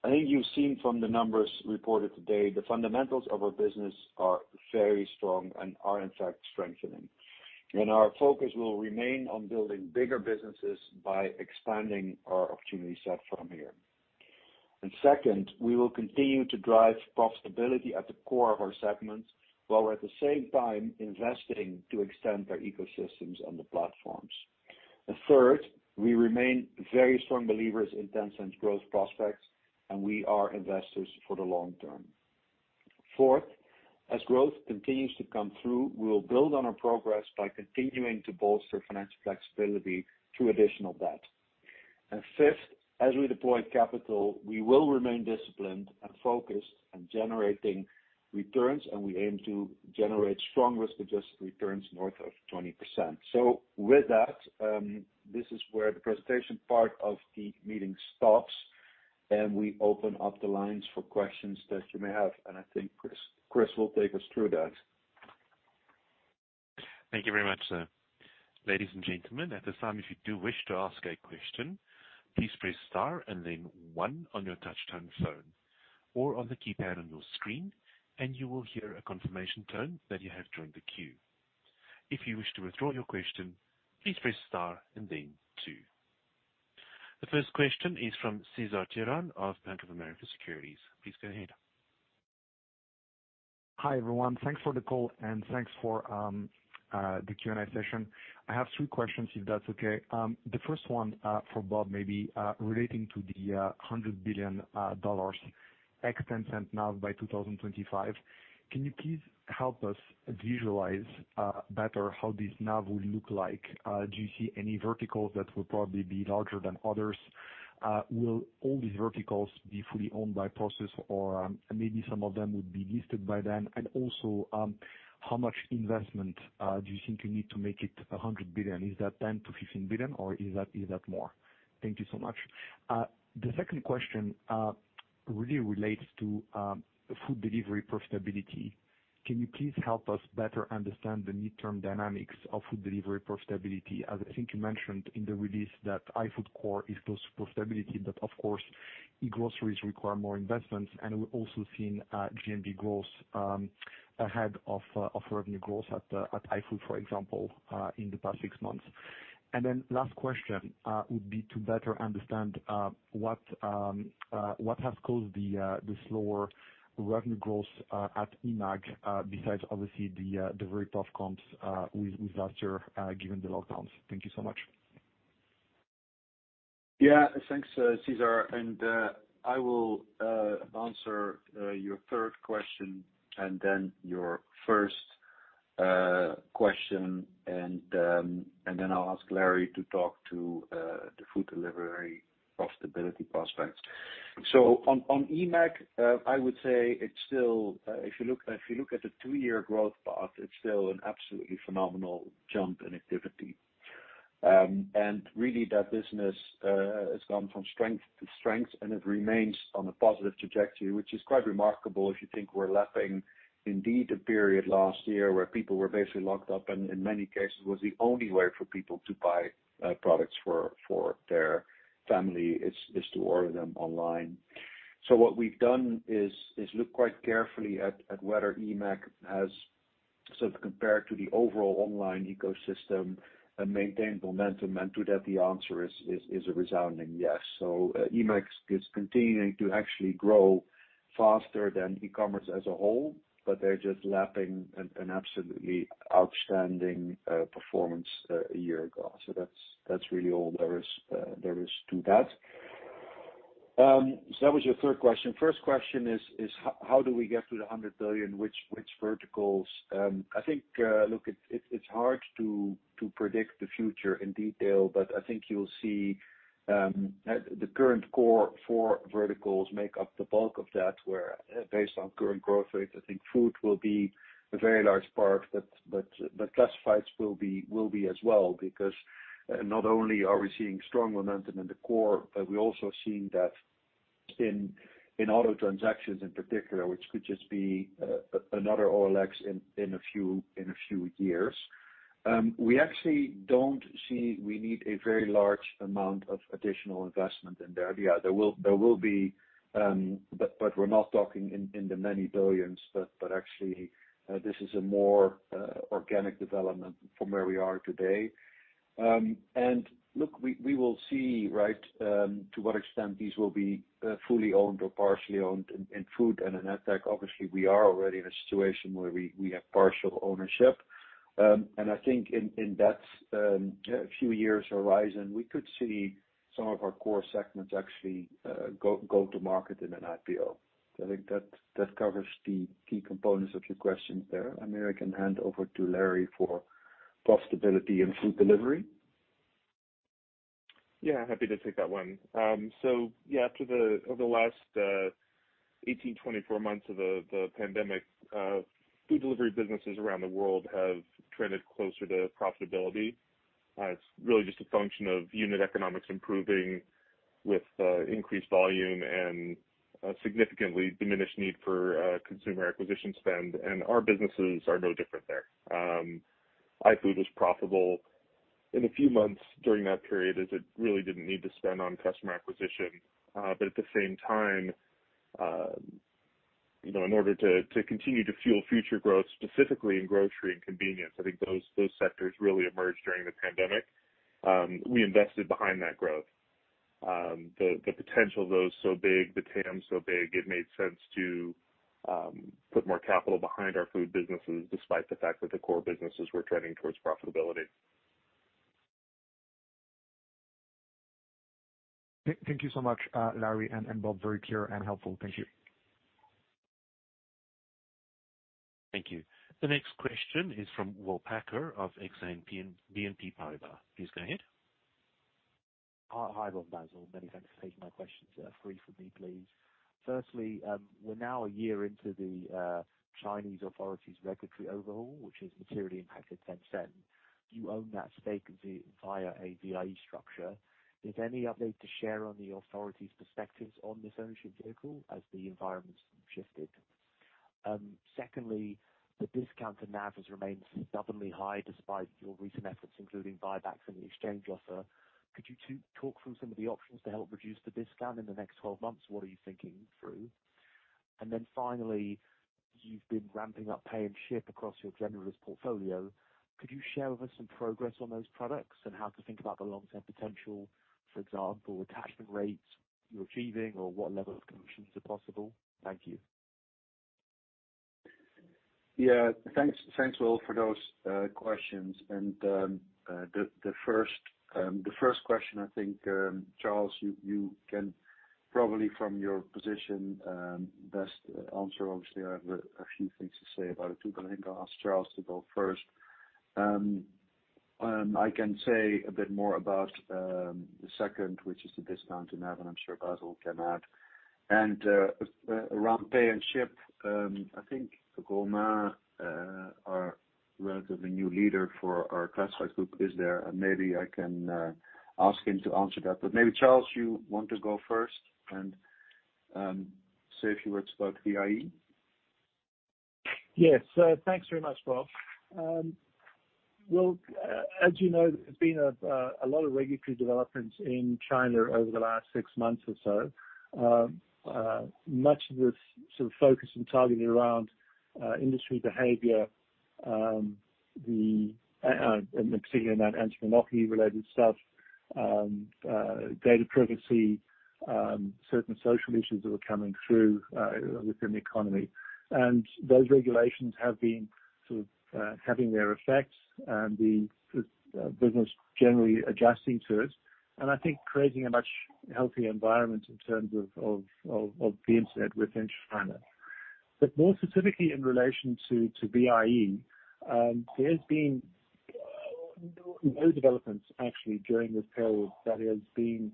I think you've seen from the numbers reported today, the fundamentals of our business are very strong and are in fact strengthening. Our focus will remain on building bigger businesses by expanding our opportunity set from here. Second, we will continue to drive profitability at the core of our segments, while at the same time investing to extend their ecosystems on the platforms. Third, we remain very strong believers in Tencent's growth prospects, and we are investors for the long term. Fourth, as growth continues to come through, we will build on our progress by continuing to bolster financial flexibility through additional debt. Fifth, as we deploy capital, we will remain disciplined and focused on generating returns, and we aim to generate strong risk-adjusted returns north of 20%. With that, this is where the presentation part of the meeting stops, and we open up the lines for questions that you may have. I think Chris will take us through that. Thank you very much, sir. Ladies and gentlemen, at this time, if you do wish to ask a question, please press star and then one on your touchtone phone or on the keypad on your screen, and you will hear a confirmation tone that you have joined the queue. If you wish to withdraw your question, please press star and then two. The first question is from Cesar Tiron of Bank of America Securities. Please go ahead. Hi, everyone. Thanks for the call and thanks for the Q&A session. I have three questions, if that's okay. The first one, for Bob, maybe, relating to the $100 billion ex-Tencent NAV by 2025. Can you please help us visualize better how this NAV will look like? Do you see any verticals that will probably be larger than others? Will all these verticals be fully owned by Prosus or maybe some of them would be listed by them? And also, how much investment do you think you need to make it a $100 billion? Is that $10 billion-$15 billion or is that more? Thank you so much. The second question really relates to food delivery profitability. Can you please help us better understand the near-term dynamics of food delivery profitability? As I think you mentioned in the release that iFood core is post profitability, but of course, e-groceries require more investments. We've also seen GMV growth ahead of revenue growth at iFood, for example, in the past six months. Last question would be to better understand what has caused the slower revenue growth at eMAG besides obviously the very tough comps with last year given the lockdowns. Thank you so much. Yeah. Thanks, Cesar. I will answer your third question and then your first question, and then I'll ask Larry to talk to the food delivery profitability prospects. On eMAG, I would say it's still. If you look at the two-year growth path, it's still an absolutely phenomenal jump in activity. Really that business has gone from strength to strength, and it remains on a positive trajectory, which is quite remarkable if you think we're lapping indeed a period last year where people were basically locked up, and in many cases, it was the only way for people to buy products for their family is to order them online. What we've done is look quite carefully at whether eMAG has sort of compared to the overall online ecosystem and maintained momentum, and to that the answer is a resounding yes. eMAG is continuing to actually grow faster than e-commerce as a whole, but they're just lapping an absolutely outstanding performance a year ago. That's really all there is to that. That was your third question. First question is how do we get to the 100 billion? Which verticals? I think, look, it's hard to predict the future in detail, but I think you'll see the current core four verticals make up the bulk of that, where based on current growth rates, I think food will be a very large part. Classifieds will be as well, because not only are we seeing strong momentum in the core, but we're also seeing that in auto transactions in particular, which could just be another OLX in a few years. We actually don't see we need a very large amount of additional investment in there. Yeah, there will be, but we're not talking in the many billions, but actually this is a more organic development from where we are today. Look, we will see, right, to what extent these will be fully owned or partially owned. In food and in EdTech, obviously we are already in a situation where we have partial ownership. I think in that few years horizon, we could see some of our core segments actually go to market in an IPO. I think that covers the key components of your questions there. Then I can hand over to Larry for profitability and food delivery. Yeah, happy to take that one. Yeah, over the last 18-24 months of the pandemic, food delivery businesses around the world have trended closer to profitability. It's really just a function of unit economics improving with increased volume and significantly diminished need for consumer acquisition spend, and our businesses are no different there. iFood was profitable in a few months during that period as it really didn't need to spend on customer acquisition. At the same time, you know, in order to continue to fuel future growth, specifically in grocery and convenience, I think those sectors really emerged during the pandemic. We invested behind that growth. The potential of those so big, the TAM so big, it made sense to put more capital behind our food businesses despite the fact that the core businesses were trending towards profitability. Thank you so much, Larry and Bob. Very clear and helpful. Thank you. Thank you. The next question is from William Packer of Exane BNP Paribas. Please go ahead. Hi, Bob, Basil. Many thanks for taking my questions. Three for me, please. Firstly, we're now a year into the Chinese authorities regulatory overhaul, which has materially impacted Tencent. You own that stake via a VIE structure. Is there any update to share on the authority's perspectives on this ownership vehicle as the environment's shifted? Secondly, the discount to NAV has remained stubbornly high despite your recent efforts, including buybacks and the exchange offer. Could you talk through some of the options to help reduce the discount in the next 12 months? What are you thinking through? Finally, you've been ramping up payments and shipping across your Generalist portfolio. Could you share with us some progress on those products and how to think about the long-term potential, for example, attachment rates you're achieving or what level of commissions are possible? Thank you. Yeah. Thanks, Will, for those questions. The first question, I think, Charles, you can probably, from your position, best answer. Obviously, I have a few things to say about it too, but I think I'll ask Charles to go first. I can say a bit more about the second, which is the discount to NAV, and I'm sure Basil can add. Around pay and ship, I think Romain, our relatively new leader for our Classifieds group is there, and maybe I can ask him to answer that. Maybe Charles, you want to go first and say a few words about VIE? Yes. Thanks very much, Will. Will, as you know, there's been a lot of regulatory developments in China over the last six months or so. Much of this sort of focus and targeting around industry behavior particularly in that anti-monopoly related stuff, data privacy, certain social issues that were coming through within the economy. Those regulations have been sort of having their effects and the e-business generally adjusting to it, and I think creating a much healthier environment in terms of the internet within China. More specifically in relation to VIE, there's been no developments actually during this period that has been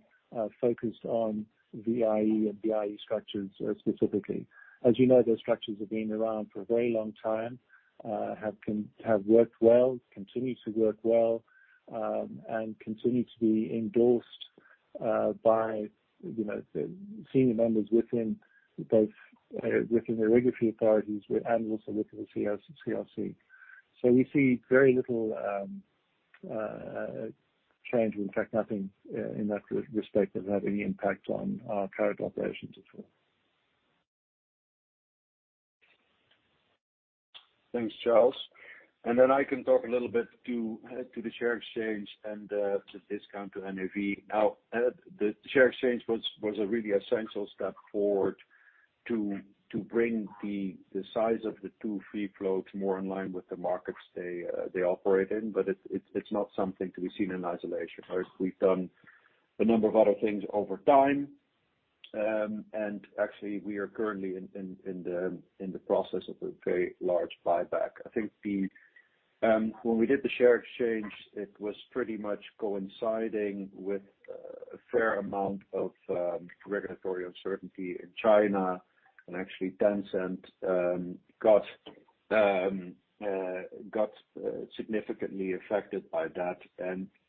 focused on VIE and VIE structures specifically. As you know, those structures have been around for a very long time, have worked well, continue to work well, and continue to be endorsed by, you know, the senior members within both the regulatory authorities and also within the CSRC. We see very little change. In fact, nothing in that respect that would have any impact on our current operations at all. Thanks, Charles. Then I can talk a little bit to the share exchange and the discount to NAV. Now, the share exchange was a really essential step forward to bring the size of the two free floats more in line with the markets they operate in. It's not something to be seen in isolation, right? We've done a number of other things over time. Actually, we are currently in the process of a very large buyback. When we did the share exchange, it was pretty much coinciding with a fair amount of regulatory uncertainty in China, and actually Tencent got significantly affected by that.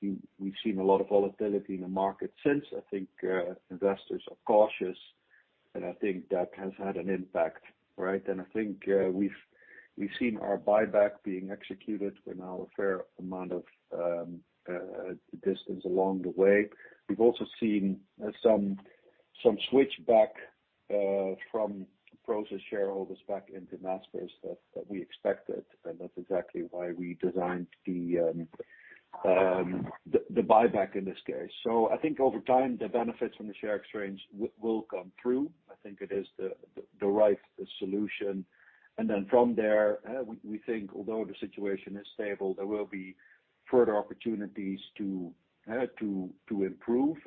We've seen a lot of volatility in the market since. I think, investors are cautious, and I think that has had an impact, right? I think, we've seen our buyback being executed. We're now a fair amount of distance along the way. We've also seen some switchback from Prosus shareholders back into Naspers that we expected, and that's exactly why we designed the buyback in this case. I think over time, the benefits from the share exchange will come through. I think it is the right solution. Then from there, we think although the situation is stable, there will be further opportunities to improve.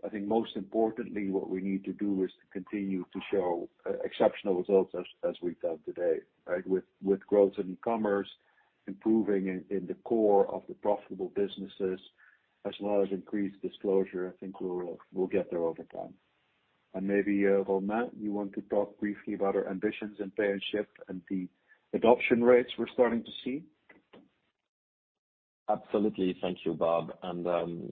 I think most importantly, what we need to do is to continue to show exceptional results as we've done today, right? With growth in commerce, improving in the core of the profitable businesses as well as increased disclosure, I think we'll get there over time. Maybe Romain, you want to talk briefly about our ambitions in Pay & Ship and the adoption rates we're starting to see? Absolutely. Thank you, Bob. Pay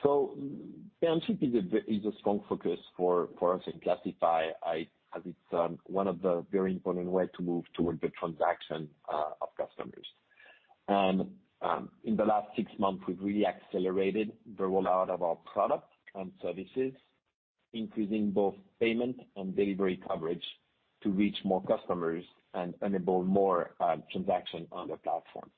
& Ship is a strong focus for us in Classifieds. It, as it's, one of the very important way to move toward the transaction of customers. In the last six months, we've really accelerated the rollout of our products and services, increasing both payment and delivery coverage to reach more customers and enable more transaction on the platform.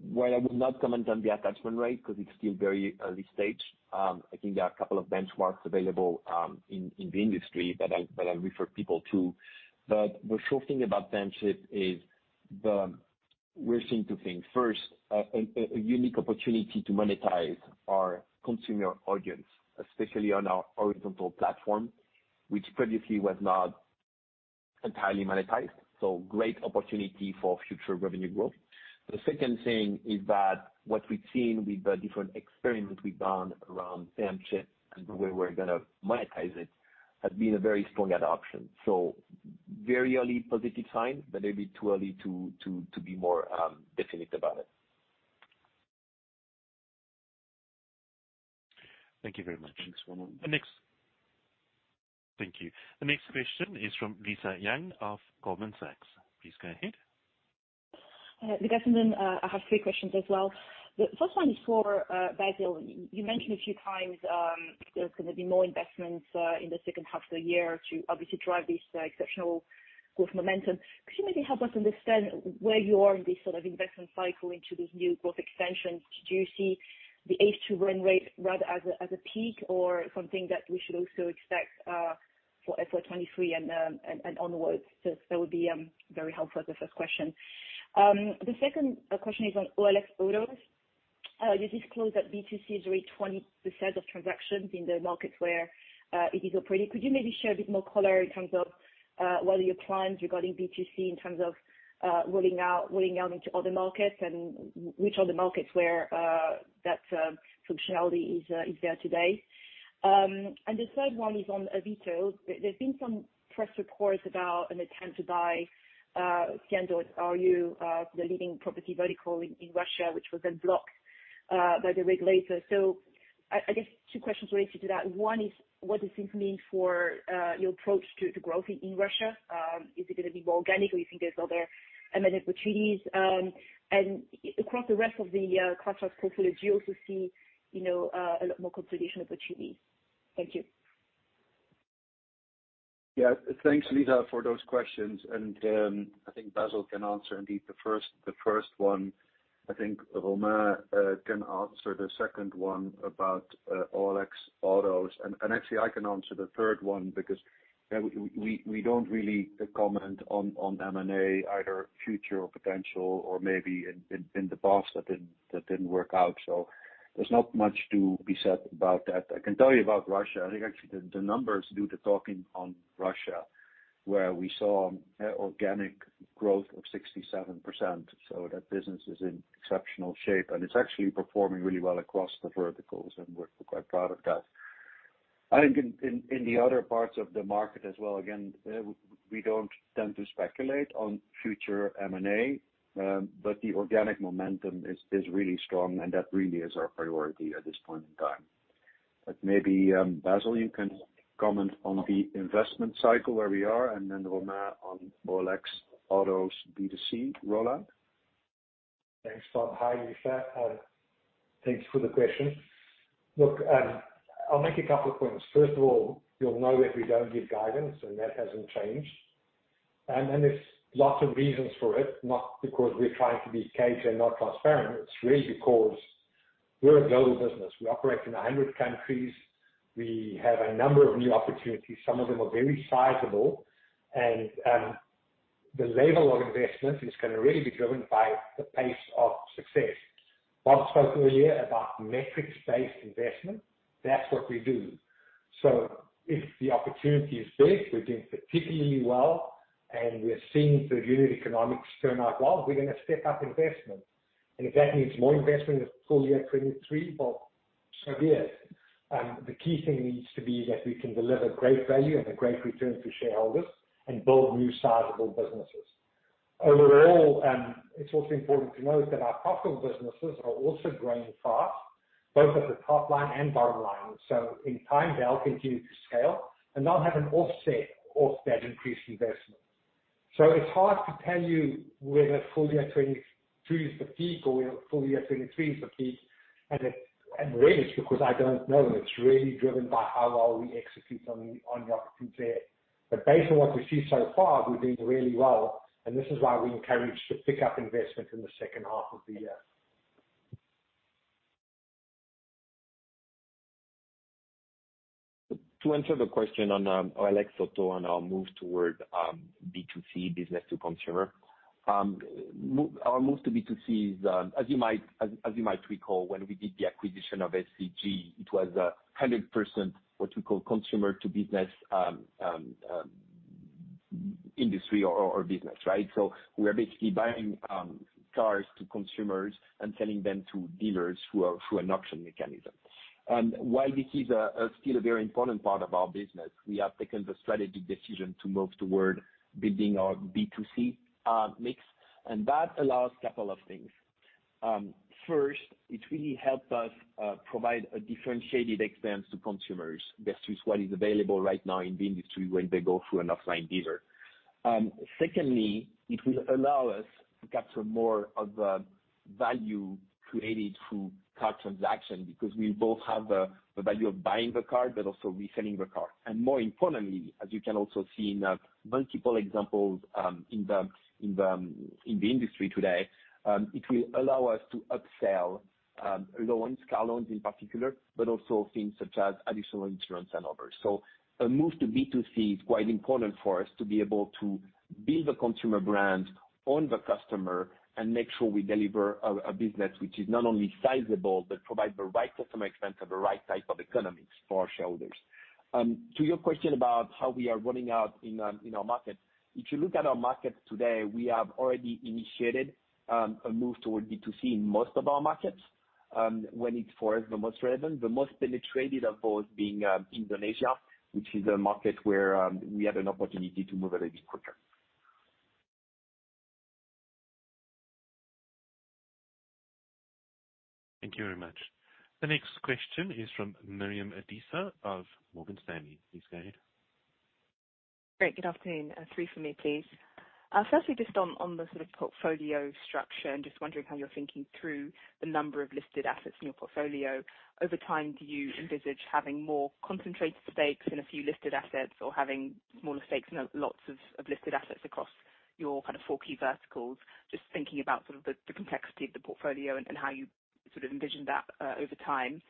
While I will not comment on the attachment rate, 'cause it's still very early stage, I think there are a couple of benchmarks available in the industry that I'll refer people to. The sure thing about Pay & Ship is, we're seeing two things. First, a unique opportunity to monetize our consumer audience, especially on our horizontal platform, which previously was not entirely monetized, so great opportunity for future revenue growth. The second thing is that what we've seen with the different experiments we've done around Pay & Ship and the way we're gonna monetize it has been a very strong adoption. Very early positive sign, but it'd be too early to be more definite about it. Thank you very much. Thanks, Romain. Thank you. The next question is from Lisa Yang of Goldman Sachs. Please go ahead. Gentlemen, I have three questions as well. The first one is for Basil. You mentioned a few times there's gonna be more investments in the second half of the year to obviously drive this exceptional growth momentum. Could you maybe help us understand where you are in this sort of investment cycle into these new growth extensions? Do you see the H2 run rate rather as a peak or something that we should also expect for FY 2023 and onwards? That would be very helpful as a first question. The second question is on OLX Autos. You disclosed that B2C is already 20% of transactions in the markets where it is operating. Could you maybe share a bit more color in terms of what are your plans regarding B2C in terms of rolling out into other markets and which are the markets where that functionality is there today? The third one is on Avito. There, there's been some press reports about an attempt to buy Cian.ru, the leading property vertical in Russia, which was then blocked by the regulator. I guess two questions related to that. One is, what does this mean for your approach to growth in Russia? Is it gonna be more organic, or you think there's other M&A opportunities? Across the rest of the Classifieds portfolio, do you also see, you know, a lot more consolidation opportunities? Thank you. Yeah. Thanks, Lisa, for those questions. I think Basil can answer indeed the first one. I think Romain can answer the second one about OLX Autos. Actually I can answer the third one because we don't really comment on M&A, either future or potential or maybe in the past that didn't work out. There's not much to be said about that. I can tell you about Russia. I think actually the numbers do the talking on Russia, where we saw organic growth of 67%. That business is in exceptional shape, and it's actually performing really well across the verticals, and we're quite proud of that. I think in the other parts of the market as well, again, we don't tend to speculate on future M&A, but the organic momentum is really strong, and that really is our priority at this point in time. Maybe, Basil, you can comment on the investment cycle, where we are, and then Romain on OLX Autos B2C rollout. Thanks, Bob. Hi, Lisa, thanks for the question. Look, I'll make a couple of points. First of all, you'll know that we don't give guidance, and that hasn't changed. There's lots of reasons for it, not because we're trying to be cagey and not transparent. It's really because we're a global business. We operate in 100 countries. We have a number of new opportunities. Some of them are very sizable and the level of investment is gonna really be driven by the pace of success. Bob spoke earlier about metrics-based investment. That's what we do. If the opportunity is big, we're doing particularly well, and we're seeing the unit economics turn out well, we're gonna step up investment. If that means more investment in the full year 2023, Bob, so be it. The key thing needs to be that we can deliver great value and a great return to shareholders and build new sizable businesses. Overall, it's also important to note that our profitable businesses are also growing fast, both at the top line and bottom line. In time they'll continue to scale and they'll have an offset of that increased investment. It's hard to tell you whether full year 2022 is the peak or whether full year 2023 is the peak, and really it's because I don't know. It's really driven by how well we execute on the opportunities there. Based on what we see so far, we're doing really well, and this is why we're encouraged to pick up investment in the second half of the year. To answer the question on OLX Autos and our move toward B2C, business to consumer, our move to B2C is as you might recall, when we did the acquisition of FCG, it was 100% what we call consumer-to-business, industry or business, right? We're basically buying cars from consumers and selling them to dealers through an auction mechanism. While this is still a very important part of our business, we have taken the strategic decision to move toward building our B2C mix, and that allows a couple of things. First, it really helps us provide a differentiated experience to consumers versus what is available right now in the industry when they go through an offline dealer. Secondly, it will allow us to capture more of the value created through car transaction because we both have the value of buying the car but also reselling the car. More importantly, as you can also see in multiple examples in the industry today, it will allow us to upsell loans, car loans in particular, but also things such as additional insurance and others. A move to B2C is quite important for us to be able to build a consumer brand, own the customer, and make sure we deliver a business which is not only sizable, but provide the right customer experience at the right type of economics for our shareholders. To your question about how we are rolling out in our markets, if you look at our markets today, we have already initiated a move toward B2C in most of our markets, when it's for us the most relevant, the most penetrated of those being Indonesia, which is a market where we have an opportunity to move a little bit quicker. Thank you very much. The next question is from Miriam Adisa of Morgan Stanley. Please go ahead. Great. Good afternoon. Three from me, please. Firstly, just on the sort of portfolio structure, I'm just wondering how you're thinking through the number of listed assets in your portfolio. Over time, do you envisage having more concentrated stakes in a few listed assets or having smaller stakes in lots of listed assets across your kind of four key verticals? Just thinking about sort of the complexity of the portfolio and how you sort of envision that over time.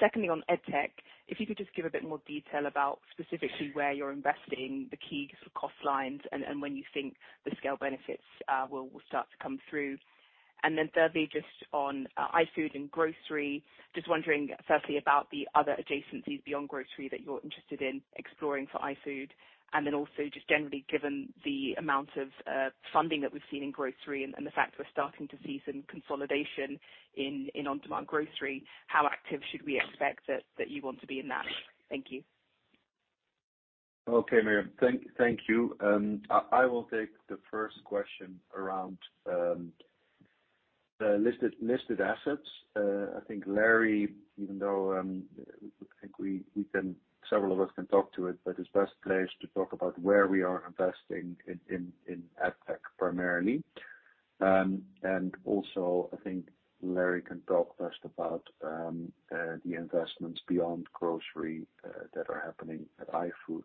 Secondly, on EdTech, if you could just give a bit more detail about specifically where you're investing the key sort of cost lines and when you think the scale benefits will start to come through. Then thirdly, just on iFood and grocery, just wondering firstly about the other adjacencies beyond grocery that you're interested in exploring for iFood, and then also just generally given the amount of funding that we've seen in grocery and the fact we're starting to see some consolidation in on-demand grocery, how active should we expect that you want to be in that? Thank you. Okay, Miriam. Thank you. I will take the first question around the listed assets. I think Larry, even though I think several of us can talk to it, but is best placed to talk about where we are investing in EdTech primarily. Also I think Larry can talk to us about the investments beyond grocery that are happening at iFood.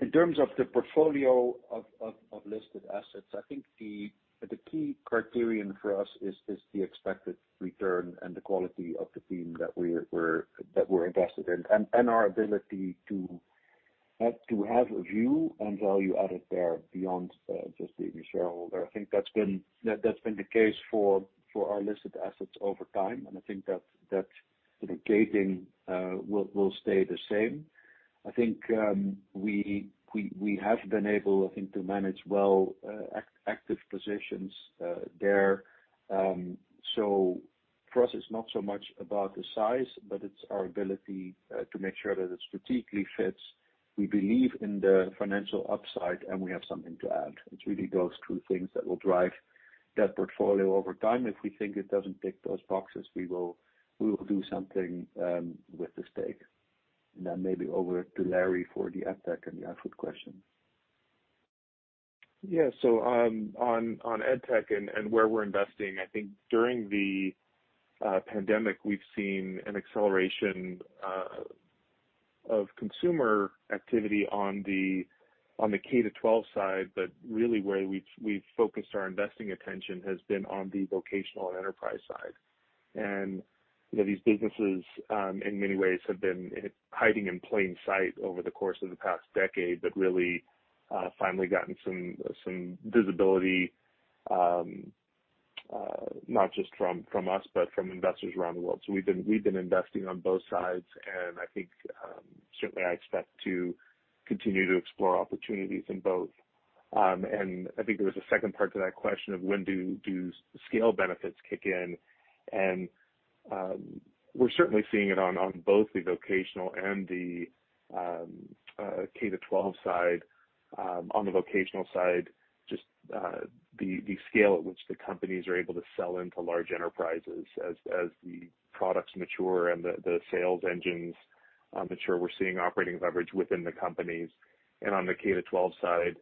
In terms of the portfolio of listed assets, I think the key criterion for us is the expected return and the quality of the team that we're invested in, and our ability to have a view on value added there beyond just being a shareholder. I think that's been the case for our listed assets over time, and I think that you know gating will stay the same. I think we have been able, I think, to manage well active positions there. So for us, it's not so much about the size, but it's our ability to make sure that it strategically fits. We believe in the financial upside, and we have something to add. It's really those two things that will drive that portfolio over time. If we think it doesn't tick those boxes, we will do something with the stake. Maybe over to Larry for the EdTech and the iFood question. On EdTech and where we're investing, I think during the pandemic, we've seen an acceleration of consumer activity on the K-12 side, but really where we've focused our investing attention has been on the vocational and enterprise side. You know, these businesses in many ways have been hiding in plain sight over the course of the past decade, but really finally gotten some visibility not just from us, but from investors around the world. We've been investing on both sides, and I think certainly I expect to continue to explore opportunities in both. I think there was a second part to that question of when scale benefits kick in. We're certainly seeing it on both the vocational and the K-12 side. On the vocational side, the scale at which the companies are able to sell into large enterprises as the products mature and the sales engines mature, we're seeing operating leverage within the companies. On the K-12 side,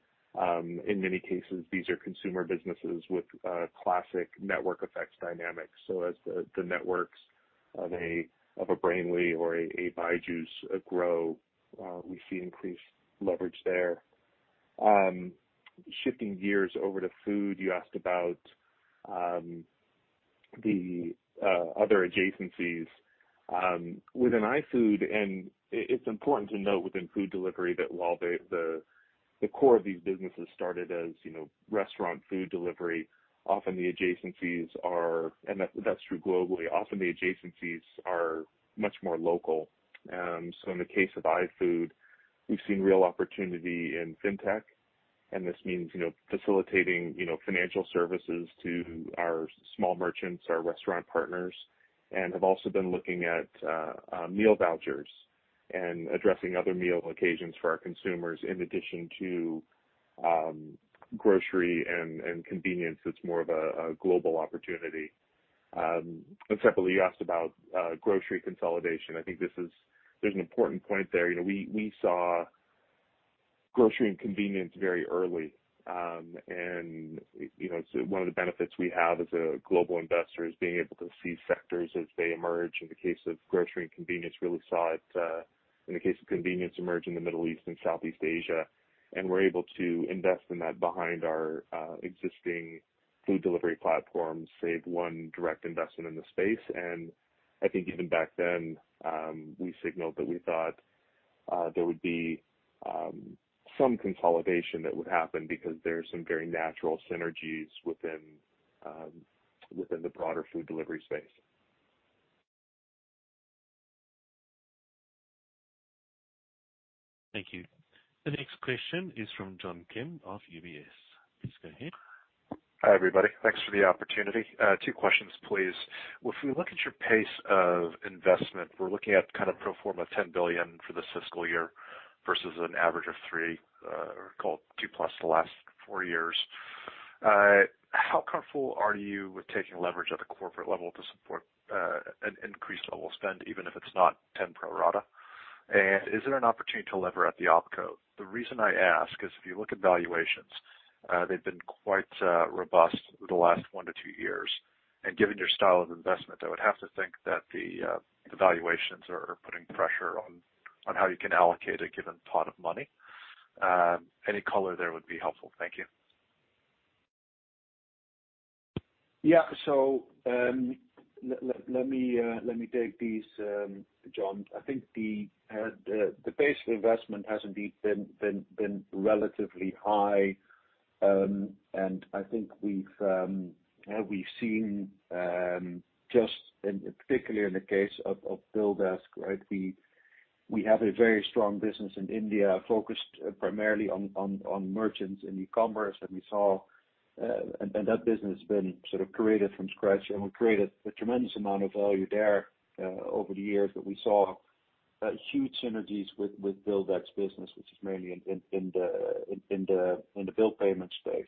in many cases, these are consumer businesses with classic network effects dynamics. As the networks of a Brainly or a Byju's grow, we see increased leverage there. Shifting gears over to food, you asked about the other adjacencies within iFood. It's important to note within food delivery that while the core of these businesses started, as you know, restaurant food delivery, often the adjacencies are... That's true globally. Often, the adjacencies are much more local. In the case of iFood, we've seen real opportunity in fintech, and this means, you know, facilitating, you know, financial services to our small merchants, our restaurant partners, and have also been looking at meal vouchers and addressing other meal occasions for our consumers, in addition to grocery and convenience that's more of a global opportunity. Secondly, you asked about grocery consolidation. I think there's an important point there. You know, we saw grocery and convenience very early. You know, so one of the benefits we have as a global investor is being able to see sectors as they emerge. In the case of grocery and convenience, really saw it in the case of convenience emerge in the Middle East and Southeast Asia. We're able to invest in that behind our existing food delivery platforms, save one direct investment in the space. I think even back then, we signaled that we thought there would be some consolidation that would happen because there are some very natural synergies within the broader food delivery space. Thank you. The next question is from John Kim of UBS. Please go ahead. Hi, everybody. Thanks for the opportunity. Two questions, please. If we look at your pace of investment, we're looking at kind of pro forma $10 billion for this fiscal year versus an average of $3 billion, or call it $2+ billion the last four years. How comfortable are you with taking leverage at the corporate level to support an increased level of spend, even if it's not $10 billion pro rata? And is there an opportunity to lever at the OpCo? The reason I ask is if you look at valuations, they've been quite robust over the last one to two years. Given your style of investment, I would have to think that the valuations are putting pressure on how you can allocate a given pot of money. Any color there would be helpful. Thank you. Let me take these, John. I think the pace of investment has indeed been relatively high. I think we've seen just in particular in the case of BillDesk, right? We have a very strong business in India focused primarily on merchants and e-commerce, and we saw that business has been sort of created from scratch, and we created a tremendous amount of value there over the years. We saw huge synergies with BillDesk business, which is mainly in the bill payment space.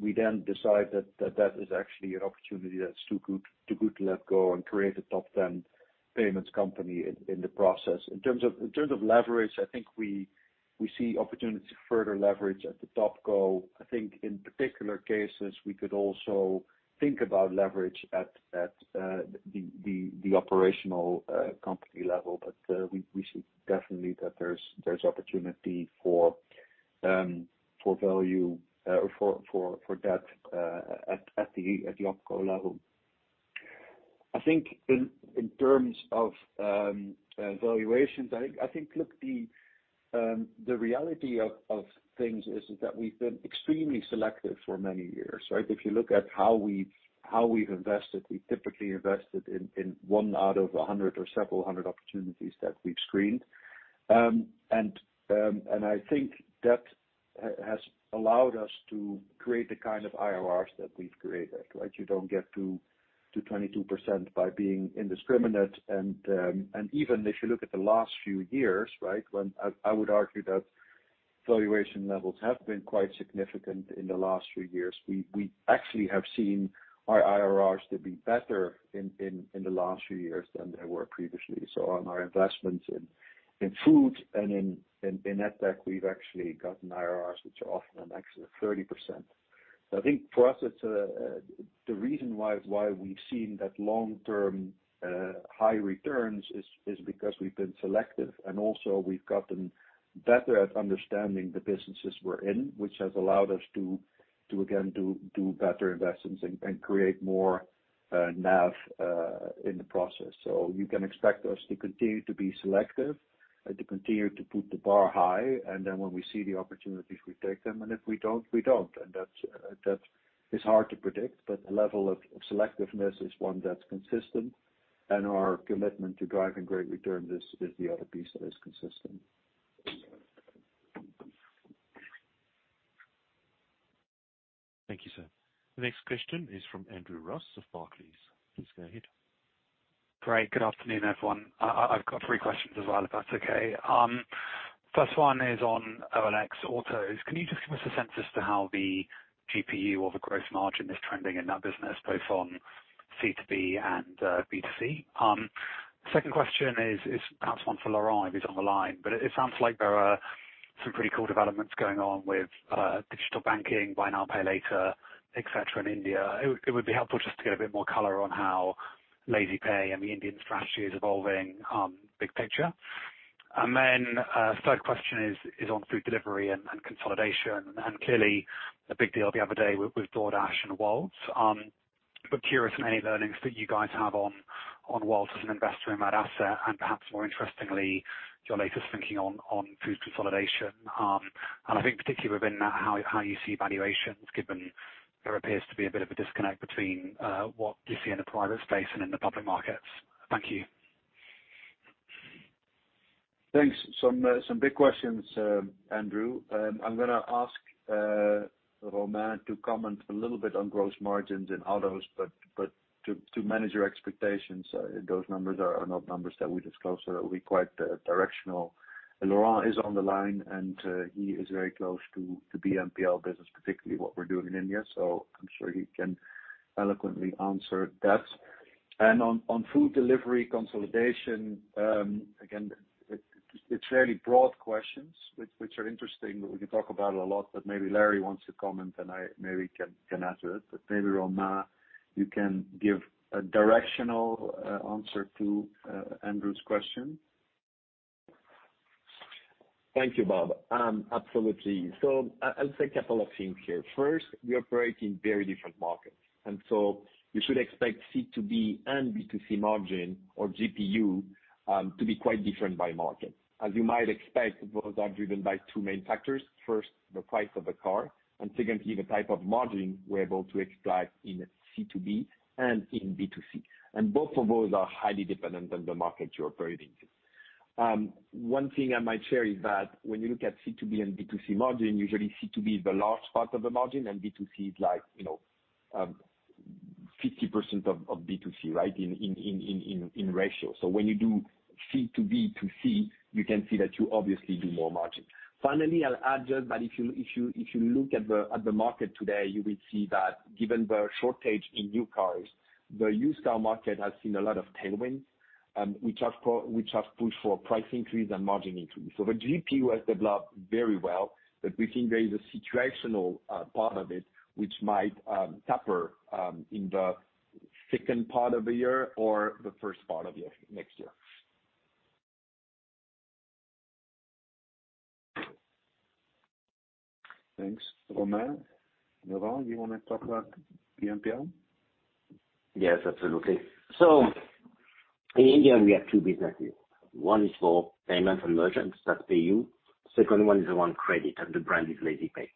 We then decide that is actually an opportunity that's too good to let go and create a top ten. Payments company in the process. In terms of leverage, I think we see opportunity to further leverage at the TopCo. I think in particular cases, we could also think about leverage at the operational company level. We see definitely that there's opportunity for value for debt at the TopCo level. I think in terms of valuations, I think look, the reality of things is that we've been extremely selective for many years, right? If you look at how we've invested, we typically invested in one out of 100 or several hundred opportunities that we've screened. I think that has allowed us to create the kind of IRRs that we've created, right? You don't get to 22% by being indiscriminate. Even if you look at the last few years, right? When I would argue that valuation levels have been quite significant in the last few years. We actually have seen our IRRs to be better in the last few years than they were previously. On our investments in food and in tech, we've actually gotten IRRs which are often in excess of 30%. I think for us, it's the reason why we've seen that long-term high returns is because we've been selective, and also we've gotten better at understanding the businesses we're in, which has allowed us to do better investments and create more NAV in the process. You can expect us to continue to be selective and to continue to put the bar high, and then when we see the opportunities, we take them, and if we don't, we don't. That's hard to predict, but the level of selectiveness is one that's consistent, and our commitment to driving great return is the other piece that is consistent. Thank you, sir. The next question is from Andrew Ross of Barclays. Please go ahead. Great. Good afternoon, everyone. I've got three questions as well, if that's okay. First one is on OLX Autos. Can you just give us a sense as to how the GPU or the growth margin is trending in that business, both on C2B and B2C? Second question is perhaps one for Laurent if he's on the line, but it sounds like there are some pretty cool developments going on with digital banking, buy now, pay later, et cetera, in India. It would be helpful just to get a bit more color on how LazyPay and the Indian strategy is evolving, big picture. Then third question is on food delivery and consolidation. Clearly a big deal the other day with DoorDash and Wolt. I'm curious from any learnings that you guys have on Wolt as an investor in that asset, and perhaps more interestingly, your latest thinking on food consolidation. I think particularly within that, how you see valuations given there appears to be a bit of a disconnect between what you see in the private space and in the public markets. Thank you. Thanks. Some big questions, Andrew. I'm gonna ask Romain to comment a little bit on gross margins in Autos, but to manage your expectations, those numbers are not numbers that we disclose, so that will be quite directional. Laurent is on the line and he is very close to BNPL business, particularly what we're doing in India, so I'm sure he can eloquently answer that. On food delivery consolidation, again, it's fairly broad questions which are interesting, we can talk about a lot, but maybe Larry wants to comment and I maybe can answer it. Maybe Romain, you can give a directional answer to Andrew's question. Thank you, Bob. Absolutely. I'll say a couple of things here. First, we operate in very different markets, and so you should expect C2B and B2C margin or GPU to be quite different by market. As you might expect, those are driven by two main factors. First, the price of the car, and secondly, the type of margin we're able to extract in C2B and in B2C. Both of those are highly dependent on the market you're operating in. One thing I might share is that when you look at C2B and B2C margin, usually C2B is the large part of the margin and B2C is like, you know, 50% of B2C, right? In ratio. When you do C2B2C, you can see that you obviously do more margin. Finally, I'll add just that if you look at the market today, you will see that given the shortage in new cars, the used car market has seen a lot of tailwinds, which have pushed for price increase and margin increase. So the GPU has developed very well, but we think there is a situational part of it which might taper in the second part of the year or the first part of next year. Thanks, Romain. Laurent, you wanna talk about BNPL? Yes, absolutely. In India, we have two businesses. One is for payments and merchants that pay you, second one is the one credit, and the brand is LazyPay.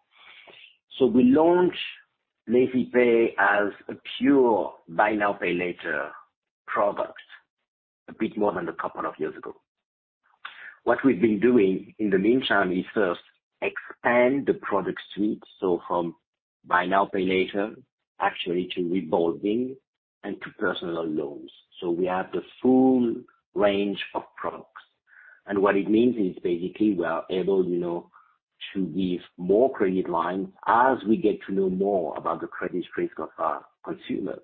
We launched LazyPay as a pure buy now, pay later product a bit more than a couple of years ago. What we've been doing in the meantime is first expand the product suite, so from buy now, pay later, actually to revolving and to personal loans. We have the full range of products. What it means is basically we are able, you know, to give more credit lines as we get to know more about the credit risk of our consumers.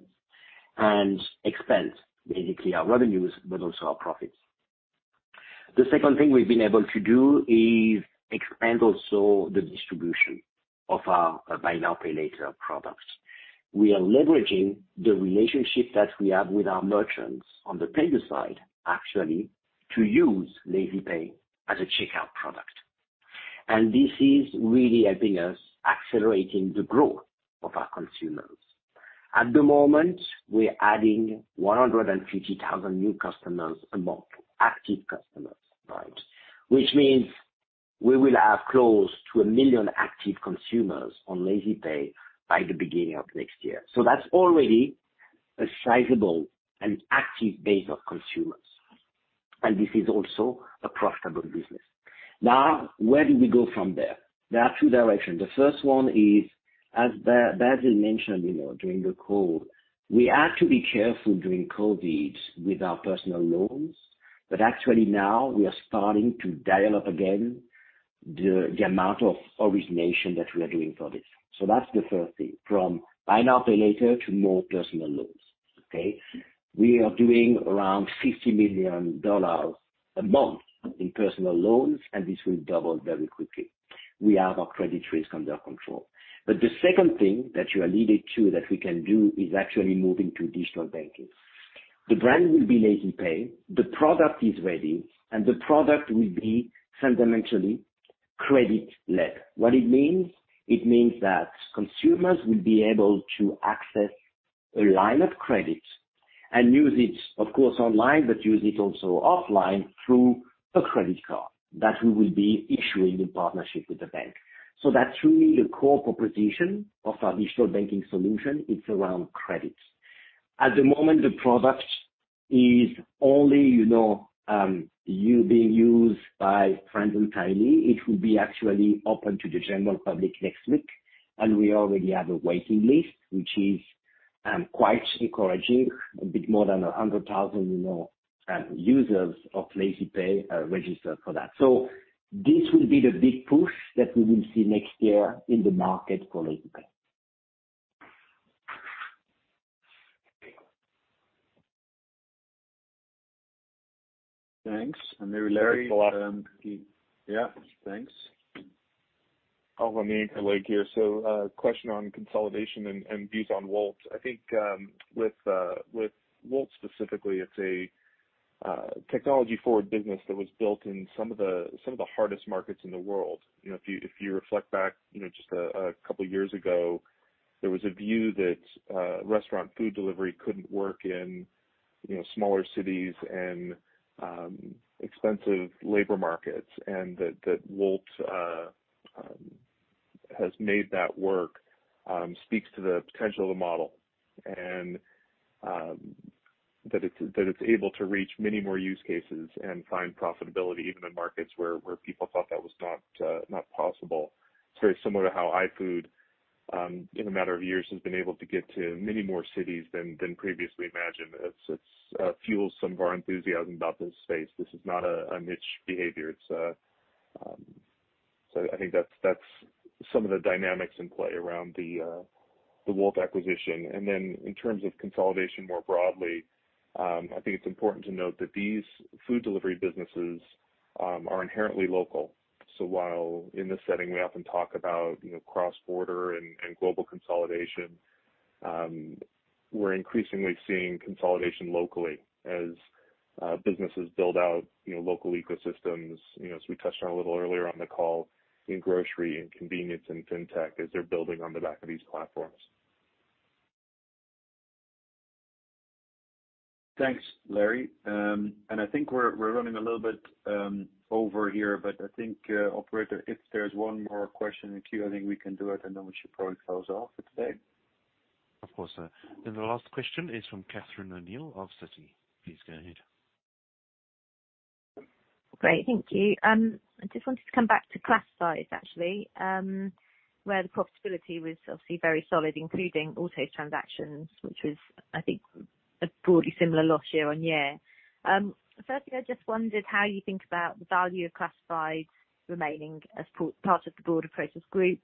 And expand, basically our revenues, but also our profits. The second thing we've been able to do is expand also the distribution of our buy now, pay later products. We are leveraging the relationship that we have with our merchants on the payer side, actually, to use Laybuy as a checkout product. This is really helping us accelerating the growth of our consumers. At the moment, we're adding 150,000 new customers a month, active customers, right? Which means we will have close to 1 million active consumers on Laybuy by the beginning of next year. That's already a sizable and active base of consumers, and this is also a profitable business. Now, where do we go from there? There are two directions. The first one is, as Basil mentioned, you know, during the call, we had to be careful during COVID with our personal loans, but actually now we are starting to dial up again the amount of origination that we are doing for this. That's the first thing, from buy now, pay later to more personal loans, okay? We are doing around $50 million a month in personal loans, and this will double very quickly. We have our credit risk under control. The second thing that you are leading to that we can do is actually moving to digital banking. The brand will be Laybuy. The product is ready, and the product will be fundamentally credit led. What it means? It means that consumers will be able to access a line of credit and use it, of course online, but use it also offline through a credit card that we will be issuing in partnership with the bank. That's really the core proposition of our digital banking solution. It's around credit. At the moment, the product is only being used by friends and family. It will be actually open to the general public next week, and we already have a waiting list, which is quite encouraging. A bit more than 100,000, you know, users of Laybuy are registered for that. This will be the big push that we will see next year in the market for Laybuy. Thanks. Maybe Larry, Thanks a lot. Yeah, thanks. I'll hop on the anchor leg here. Question on consolidation and views on Wolt. I think with Wolt specifically, it's a technology-forward business that was built in some of the hardest markets in the world. You know, if you reflect back, you know, just a couple years ago, there was a view that restaurant food delivery couldn't work in, you know, smaller cities and expensive labor markets. That Wolt has made that work speaks to the potential of the model. That it's able to reach many more use cases and find profitability even in markets where people thought that was not possible. It's very similar to how iFood in a matter of years has been able to get to many more cities than previously imagined. It fuels some of our enthusiasm about this space. This is not a niche behavior. I think that's some of the dynamics in play around the Wolt acquisition. In terms of consolidation more broadly, I think it's important to note that these food delivery businesses are inherently local. While in this setting we often talk about, you know, cross-border and global consolidation, we're increasingly seeing consolidation locally as businesses build out, you know, local ecosystems. You know, as we touched on a little earlier on the call in grocery and convenience and fintech as they're building on the back of these platforms. Thanks, Larry. I think we're running a little bit over here, but I think operator, if there's one more question in queue, I think we can do it, and then we should probably close off for today. Of course, sir. The last question is from Catherine O'Neill of Citi. Please go ahead. Great. Thank you. I just wanted to come back to Classifieds actually, where the profitability was obviously very solid, including Auto transactions, which was I think a broadly similar loss year-on-year. Firstly, I just wondered how you think about the value of Classifieds remaining as part of the broader Prosus Group.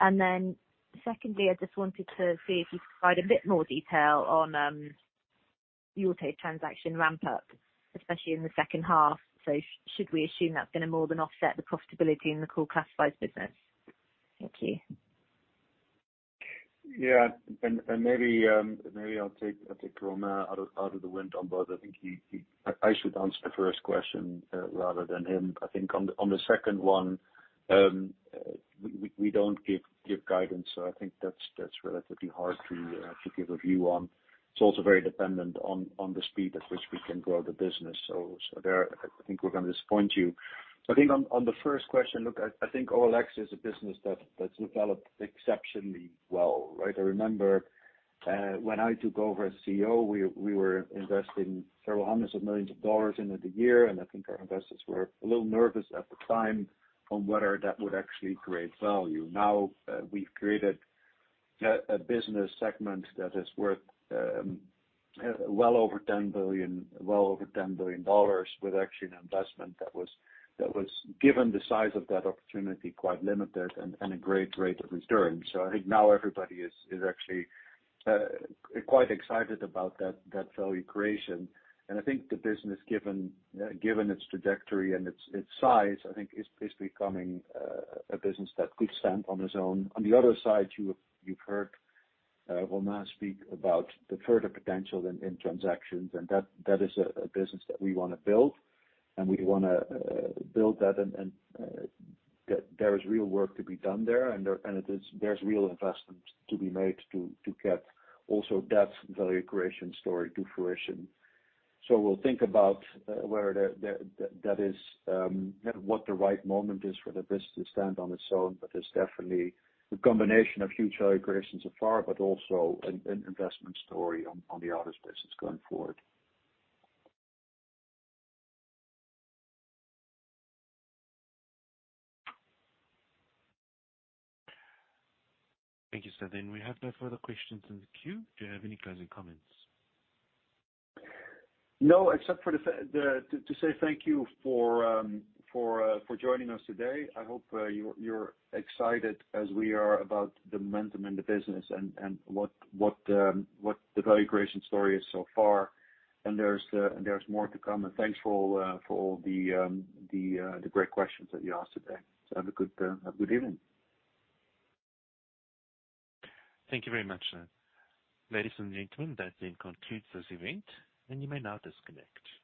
Then secondly, I just wanted to see if you could provide a bit more detail on the Auto transaction ramp up, especially in the second half. Should we assume that's gonna more than offset the profitability in the core Classifieds business? Thank you. Yeah. Maybe I'll take Romain out of the way on both. I think I should answer the first question rather than him. I think on the second one, we don't give guidance, so I think that's relatively hard to give a view on. It's also very dependent on the speed at which we can grow the business. There I think we're gonna disappoint you. I think on the first question, look, I think OLX is a business that's developed exceptionally well, right? I remember when I took over as CEO, we were investing $several hundred million in the year, and I think our investors were a little nervous at the time on whether that would actually create value. Now, we've created a business segment that is worth well over $10 billion with actually an investment that was, given the size of that opportunity, quite limited and a great rate of return. I think now everybody is actually quite excited about that value creation. I think the business, given its trajectory and its size, I think is basically becoming a business that could stand on its own. On the other side, you've heard Romain speak about the further potential in transactions, and that is a business that we wanna build, and we wanna build that and there is real work to be done there. There's real investments to be made to get also that value creation story to fruition. We'll think about where that is, what the right moment is for the business to stand on its own. It's definitely a combination of huge value creation so far, but also an investment story on the Autos business going forward. Thank you, sir. We have no further questions in the queue. Do you have any closing comments? No, except to say thank you for joining us today. I hope you're excited as we are about the momentum in the business and what the value creation story is so far. There's more to come. Thanks for all the great questions that you asked today. Have a good evening. Thank you very much, sir. Ladies and gentlemen, that then concludes this event, and you may now disconnect.